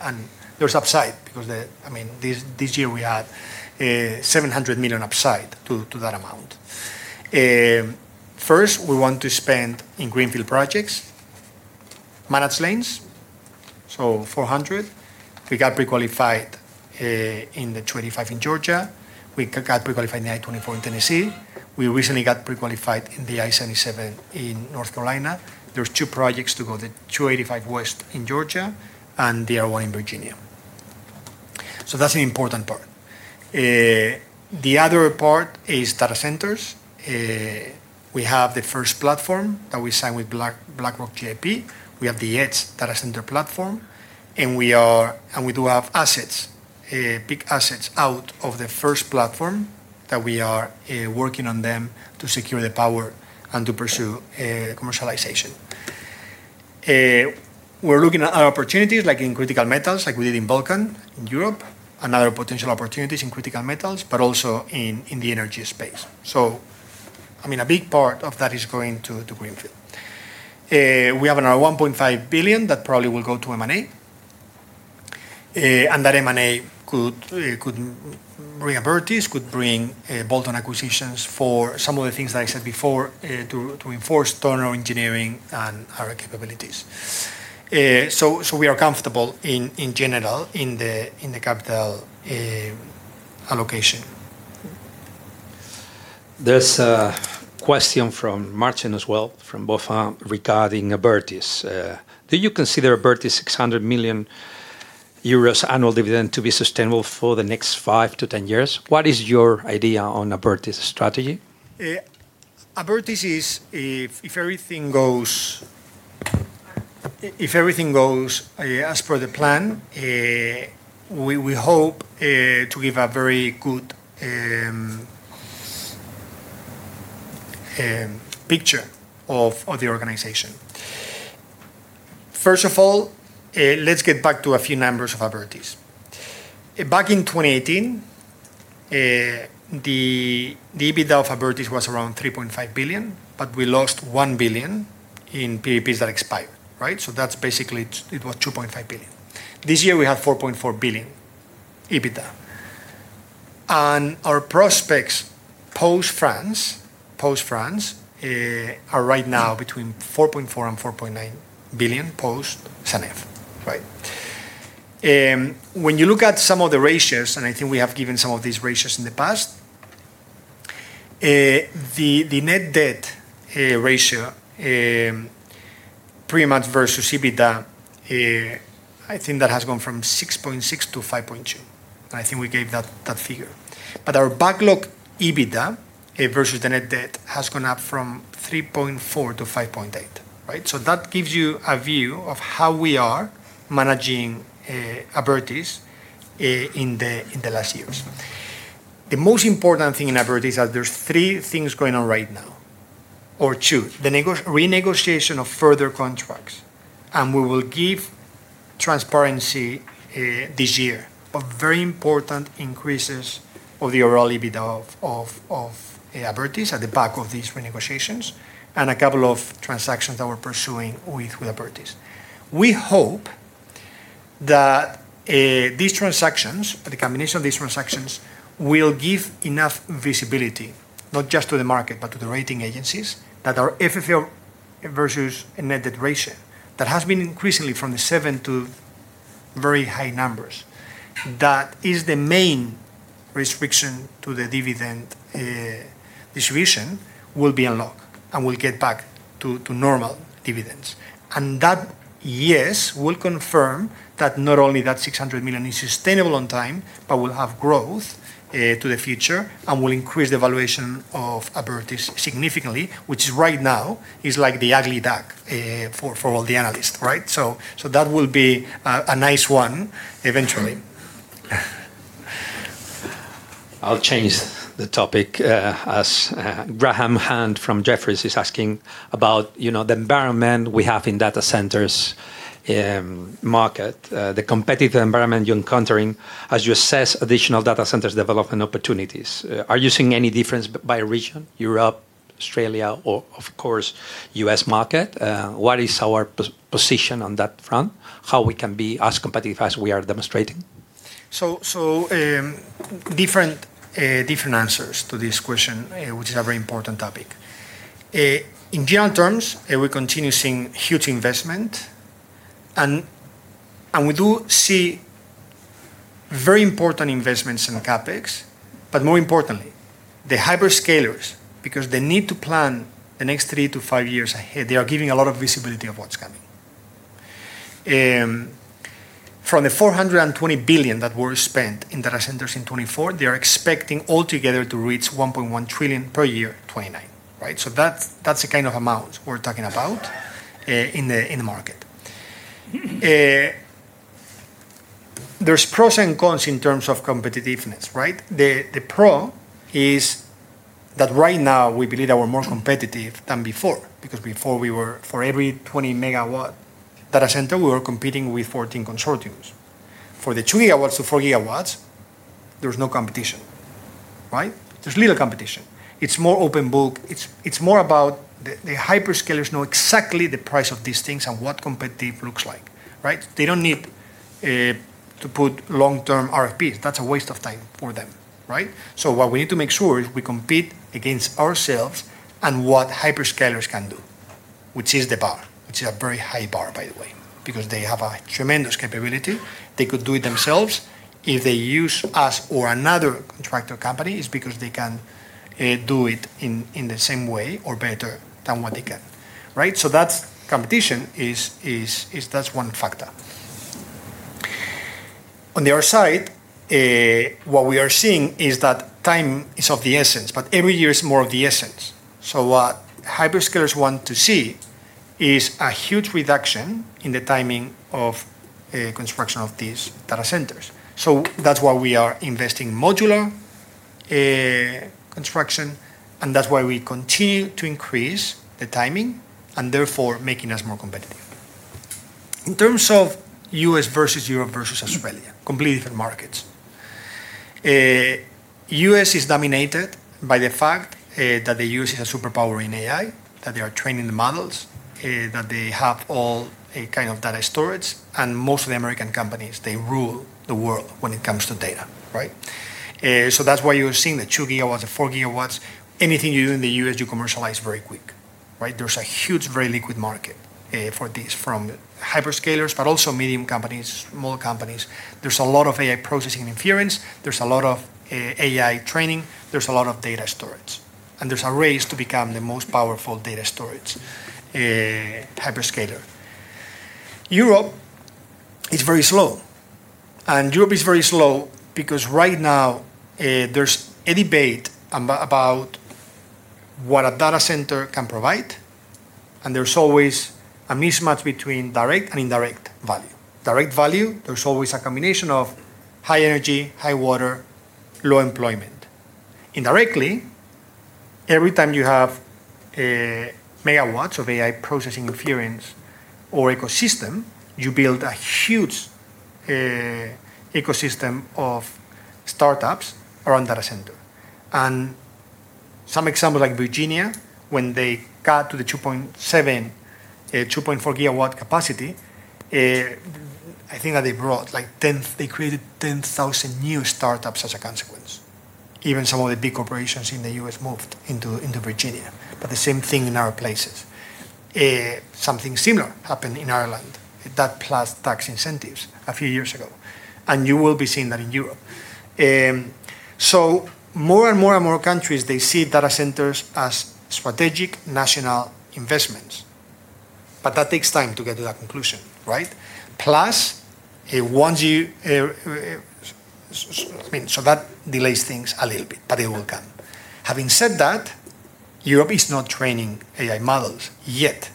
Speaker 1: There's upside because the, I mean, this year we had 700 million upside to that amount. First, we want to spend in greenfield projects, managed lanes. 400 million. We got pre-qualified in the I-25 in Georgia. We got pre-qualified in the I-24 in Tennessee. We recently got pre-qualified in the I-77 in North Carolina. There's 2 projects to go, the I-285 West in Georgia and the other one in Virginia. That's an important part. The other part is Data Centers. We have the first platform that we signed with BlackRock GIP. We have the ACS Data Center platform, and we do have assets, big assets out of the first platform, that we are working on them to secure the power and to pursue commercialization. We're looking at other opportunities, like in critical metals, like we did in Vulcan, in Europe, and other potential opportunities in critical metals, but also in the energy space. I mean, a big part of that is going to greenfield. We have another 1.5 billion that probably will go to M&A, and that M&A could bring Abertis, could bring bolt-on acquisitions for some of the things that I said before, to enforce tunnel engineering and other capabilities. We are comfortable in general, in the capital allocation.
Speaker 6: There's a question from Marcin as well, from BofA Securities, regarding Abertis. Do you consider Abertis' 600 million euros annual dividend to be sustainable for the next 5-10 years? What is your idea on Abertis' strategy?
Speaker 1: Abertis is, if everything goes, as per the plan, we hope to give a very good picture of the organization. First of all, let's get back to a few numbers of Abertis. Back in 2018, the EBITDA of Abertis was around 3.5 billion, we lost 1 billion in PPPs that expired, right? That's basically, it was 2.5 billion. This year, we have 4.4 billion EBITDA, and our prospects post France, are right now between 4.4 billion and 4.9 billion post Sanef, right? When you look at some of the ratios, I think we have given some of these ratios in the past, the net debt ratio, pretty much versus EBITDA, I think that has gone from 6.6 to 5.2, I think we gave that figure. Our backlog EBITDA versus the net debt has gone up from 3.4 to 5.8, right? That gives you a view of how we are managing Abertis in the last years. The most important thing in Abertis is that there are three things going on right now, or two: the renegotiation of further contracts, and we will give transparency this year of very important increases of the overall EBITDA of Abertis at the back of these renegotiations and a couple of transactions that we're pursuing with Abertis. We hope that these transactions, or the combination of these transactions, will give enough visibility, not just to the market, but to the rating agencies, that our FFO versus net debt ratio, that has been increasingly from seven to very high numbers, that is the main restriction to the dividend distribution, will be unlocked, and we'll get back to normal dividends. That, yes, will confirm that not only that 600 million is sustainable on time, but will have growth to the future and will increase the valuation of Abertis significantly, which right now is like the ugly duck for all the analysts, right? That will be a nice one eventually.
Speaker 6: I'll change the topic. As Graham Hunt from Jefferies is asking about, you know, the environment we have in Data Centers, market, the competitive environment you're encountering as you assess additional Data Centers development opportunities. Are you seeing any difference by region, Europe, Australia, or of course, U.S. market? What is our position on that front? How we can be as competitive as we are demonstrating?
Speaker 1: Different answers to this question, which is a very important topic. In general terms, we continue seeing huge investment, and we do see very important investments in CapEx. More importantly, the hyperscalers, because they need to plan the next three to five years ahead, they are giving a lot of visibility of what's coming. From the $420 billion that were spent in Data Centers in 2024, they are expecting altogether to reach $1.1 trillion per year in 2029, right? That's the kind of amount we're talking about in the market. There's pros and cons in terms of competitiveness, right? The pro is that right now, we believe that we're more competitive than before because before we were, for every 20 MW Data Center, we were competing with 14 consortiums. For the 2 GW to 4 GW, there is no competition, right? There's little competition. It's more open book. It's more about the hyperscalers know exactly the price of these things and what competitive looks like, right? They don't need to put long-term RFPs. That's a waste of time for them, right? What we need to make sure is we compete against ourselves and what hyperscalers can do, which is the bar, which is a very high bar, by the way, because they have a tremendous capability. They could do it themselves. If they use us or another contractor company, it's because they can do it in the same way or better than what they can, right? That's competition is that's one factor. On the other side, what we are seeing is that time is of the essence, but every year is more of the essence. What hyperscalers want to see is a huge reduction in the timing of construction of these data centers. That's why we are investing in modular construction, and that's why we continue to increase the timing and therefore making us more competitive. In terms of U.S. versus Europe versus Australia, completely different markets. U.S. is dominated by the fact that the U.S. is a superpower in AI, that they are training the models, that they have all a kind of data storage, and most of the American companies, they rule the world when it comes to data, right? That's why you're seeing the 2 GW, the 4 GW. Anything you do in the U.S., you commercialize very quick, right? There's a huge, very liquid market for this from hyperscalers, but also medium companies, small companies. There's a lot of AI processing and inference. There's a lot of AI training. There's a lot of data storage, and there's a race to become the most powerful data storage, hyperscaler. Europe is very slow, and Europe is very slow because right now, there's a debate about what a data center can provide. There's always a mismatch between direct and indirect value. Direct value, there's always a combination of high energy, high water, low employment. Indirectly, every time you have a megawatts of AI processing inference or ecosystem, you build a huge ecosystem of startups around data center. Some examples like Virginia, when they got to the 2.7 GW, 2.4 GW capacity, I think that they created 10,000 new startups as a consequence. Even some of the big corporations in the U.S. moved into Virginia. The same thing in other places. Something similar happened in Ireland, that plus tax incentives a few years ago. You will be seeing that in Europe. More and more and more countries, they see data centers as strategic national investments, but that takes time to get to that conclusion, right? Plus, it warns you, I mean, that delays things a little bit, but it will come. Having said that, Europe is not training AI models yet.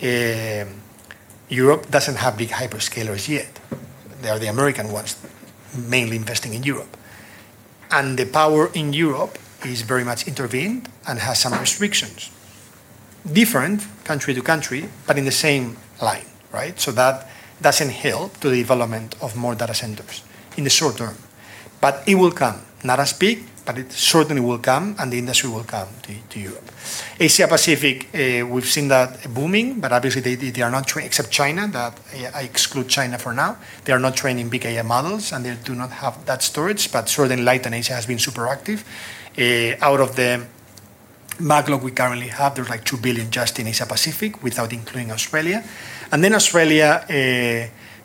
Speaker 1: Europe doesn't have big hyperscalers yet. They are the American ones mainly investing in Europe, and the power in Europe is very much intervened and has some restrictions. Different country to country, but in the same line, right? That doesn't help to the development of more Data Centers in the short term. It will come. Not as big, but it certainly will come, and the industry will come to Europe. Asia Pacific, we've seen that booming. Obviously, they are not training, except China, that I exclude China for now. They are not training big AI models. They do not have that storage. Certainly, Latin Asia has been super active. Out of the market we currently have, there's like 2 billion just in Asia Pacific, without including Australia. Australia,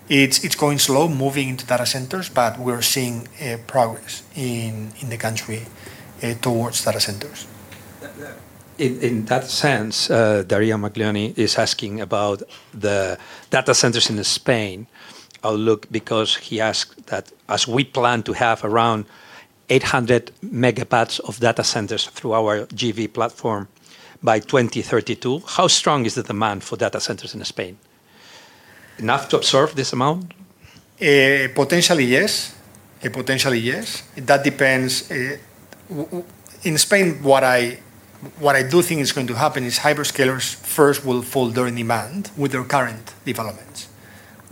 Speaker 1: it's going slow moving into Data Centers, but we're seeing progress in the country towards Data Centers.
Speaker 6: Yeah, yeah. In that sense, Dario Maglione is asking about the Data Centers in Spain. I'll look, because he asked that, "As we plan to have around 800 MW of Data Centers through our JV platform by 2032, how strong is the demand for data centers in Spain? Enough to absorb this amount?
Speaker 1: Potentially, yes. Potentially, yes. That depends. In Spain, what I do think is going to happen is hyperscalers first will fold their demand with their current developments.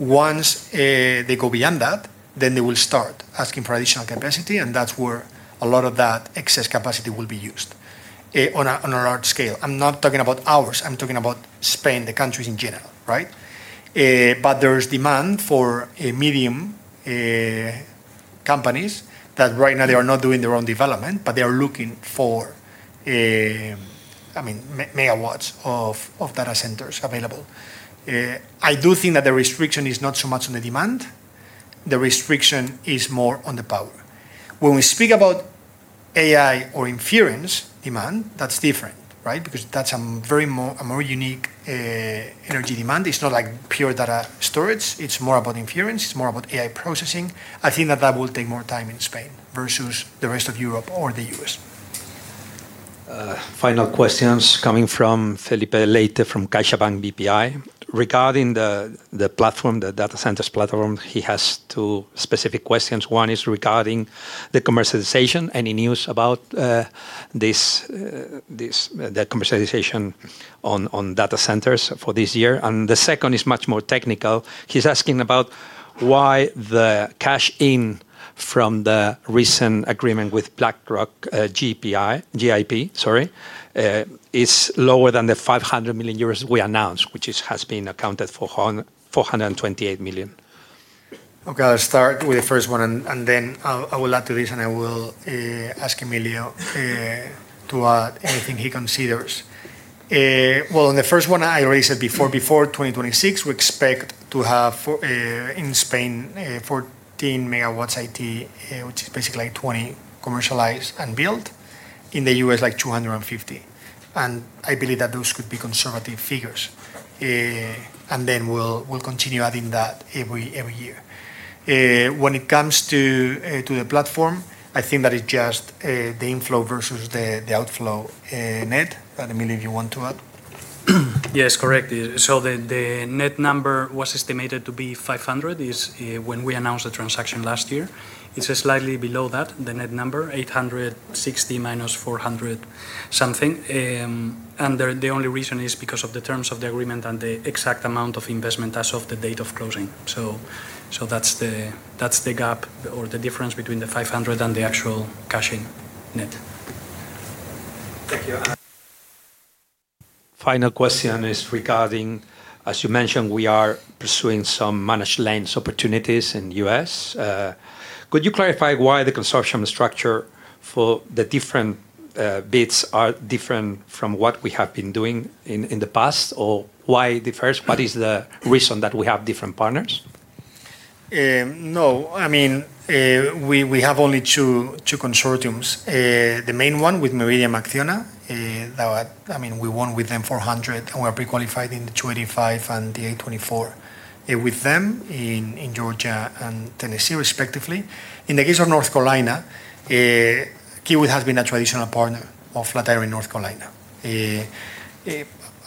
Speaker 1: Once, they go beyond that, then they will start asking for additional capacity, and that's where a lot of that excess capacity will be used on a large scale. I'm not talking about ours, I'm talking about Spain, the countries in general, right? But there's demand for a medium companies that right now they are not doing their own development, but they are looking for, I mean, megawatts of, of data centers available. I do think that the restriction is not so much on the demand, the restriction is more on the power. When we speak about AI or inference demand, that's different, right? That's a very more, a more unique energy demand. It's not like pure data storage, it's more about inference, it's more about AI processing. I think that that will take more time in Spain versus the rest of Europe or the US.
Speaker 6: Final questions coming from Filipe Leite, from CaixaBank BPI. Regarding the platform, the Data Centers platform, he has two specific questions. One is regarding the commercialization. Any news about this, the commercialization on Data Centers for this year? The second is much more technical. He's asking about why the cash in from the recent agreement with BlackRock GIP, is lower than 500 million euros we announced, which has been accounted for 428 million.
Speaker 1: Okay, I'll start with the first one, and then I will add to Thiess, and I will ask Emilio to add anything he considers. Well, on the first one, I already said before 2026, we expect to have for in Spain 14 MW IT, which is basically like 20 commercialized and built. In the U.S., like 250, and I believe that those could be conservative figures. Then we'll continue adding that every year. When it comes to the platform, I think that is just the inflow versus the outflow net. Emilio, do you want to add?
Speaker 7: Yes, correct. The net number was estimated to be 500 when we announced the transaction last year. It's slightly below that, the net number, 860 minus 400 something. The only reason is because of the terms of the agreement and the exact amount of investment as of the date of closing. That's the gap or the difference between the 500 and the actual cash in net.
Speaker 6: Thank you. Final question is regarding, as you mentioned, we are pursuing some managed lanes opportunities in U.S. Could you clarify why the consortium structure for the different bits are different from what we have been doing in the past? Or why differs? What is the reason that we have different partners?
Speaker 1: No, I mean, we have only two consortiums. The main one with Meridiam and Acciona, now, I mean, we won with them 400, and we are pre-qualified in the I-285 and the 824, with them in Georgia and Tennessee, respectively. In the case of North Carolina, Kiewit has been a traditional partner of Flatiron in North Carolina. I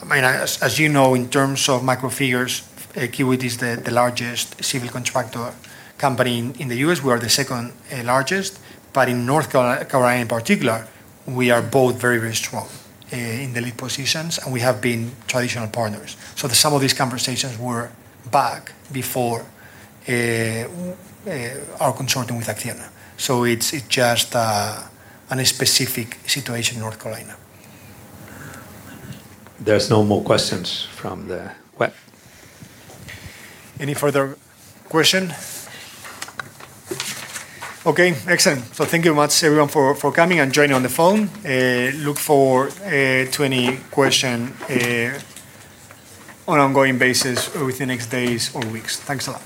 Speaker 1: mean, as you know, in terms of micro figures, Kiewit is the largest civil contractor company in the U.S. We are the second largest, but in North Carolina in particular, we are both very strong in the lead positions, and we have been traditional partners. Some of these conversations were back before our consortium with Acciona. It's just an specific situation in North Carolina.
Speaker 6: There's no more questions from the web.
Speaker 1: Any further question? Okay, excellent. Thank you very much everyone for coming and joining on the phone. Look forward to any question on ongoing basis over the next days or weeks. Thanks a lot.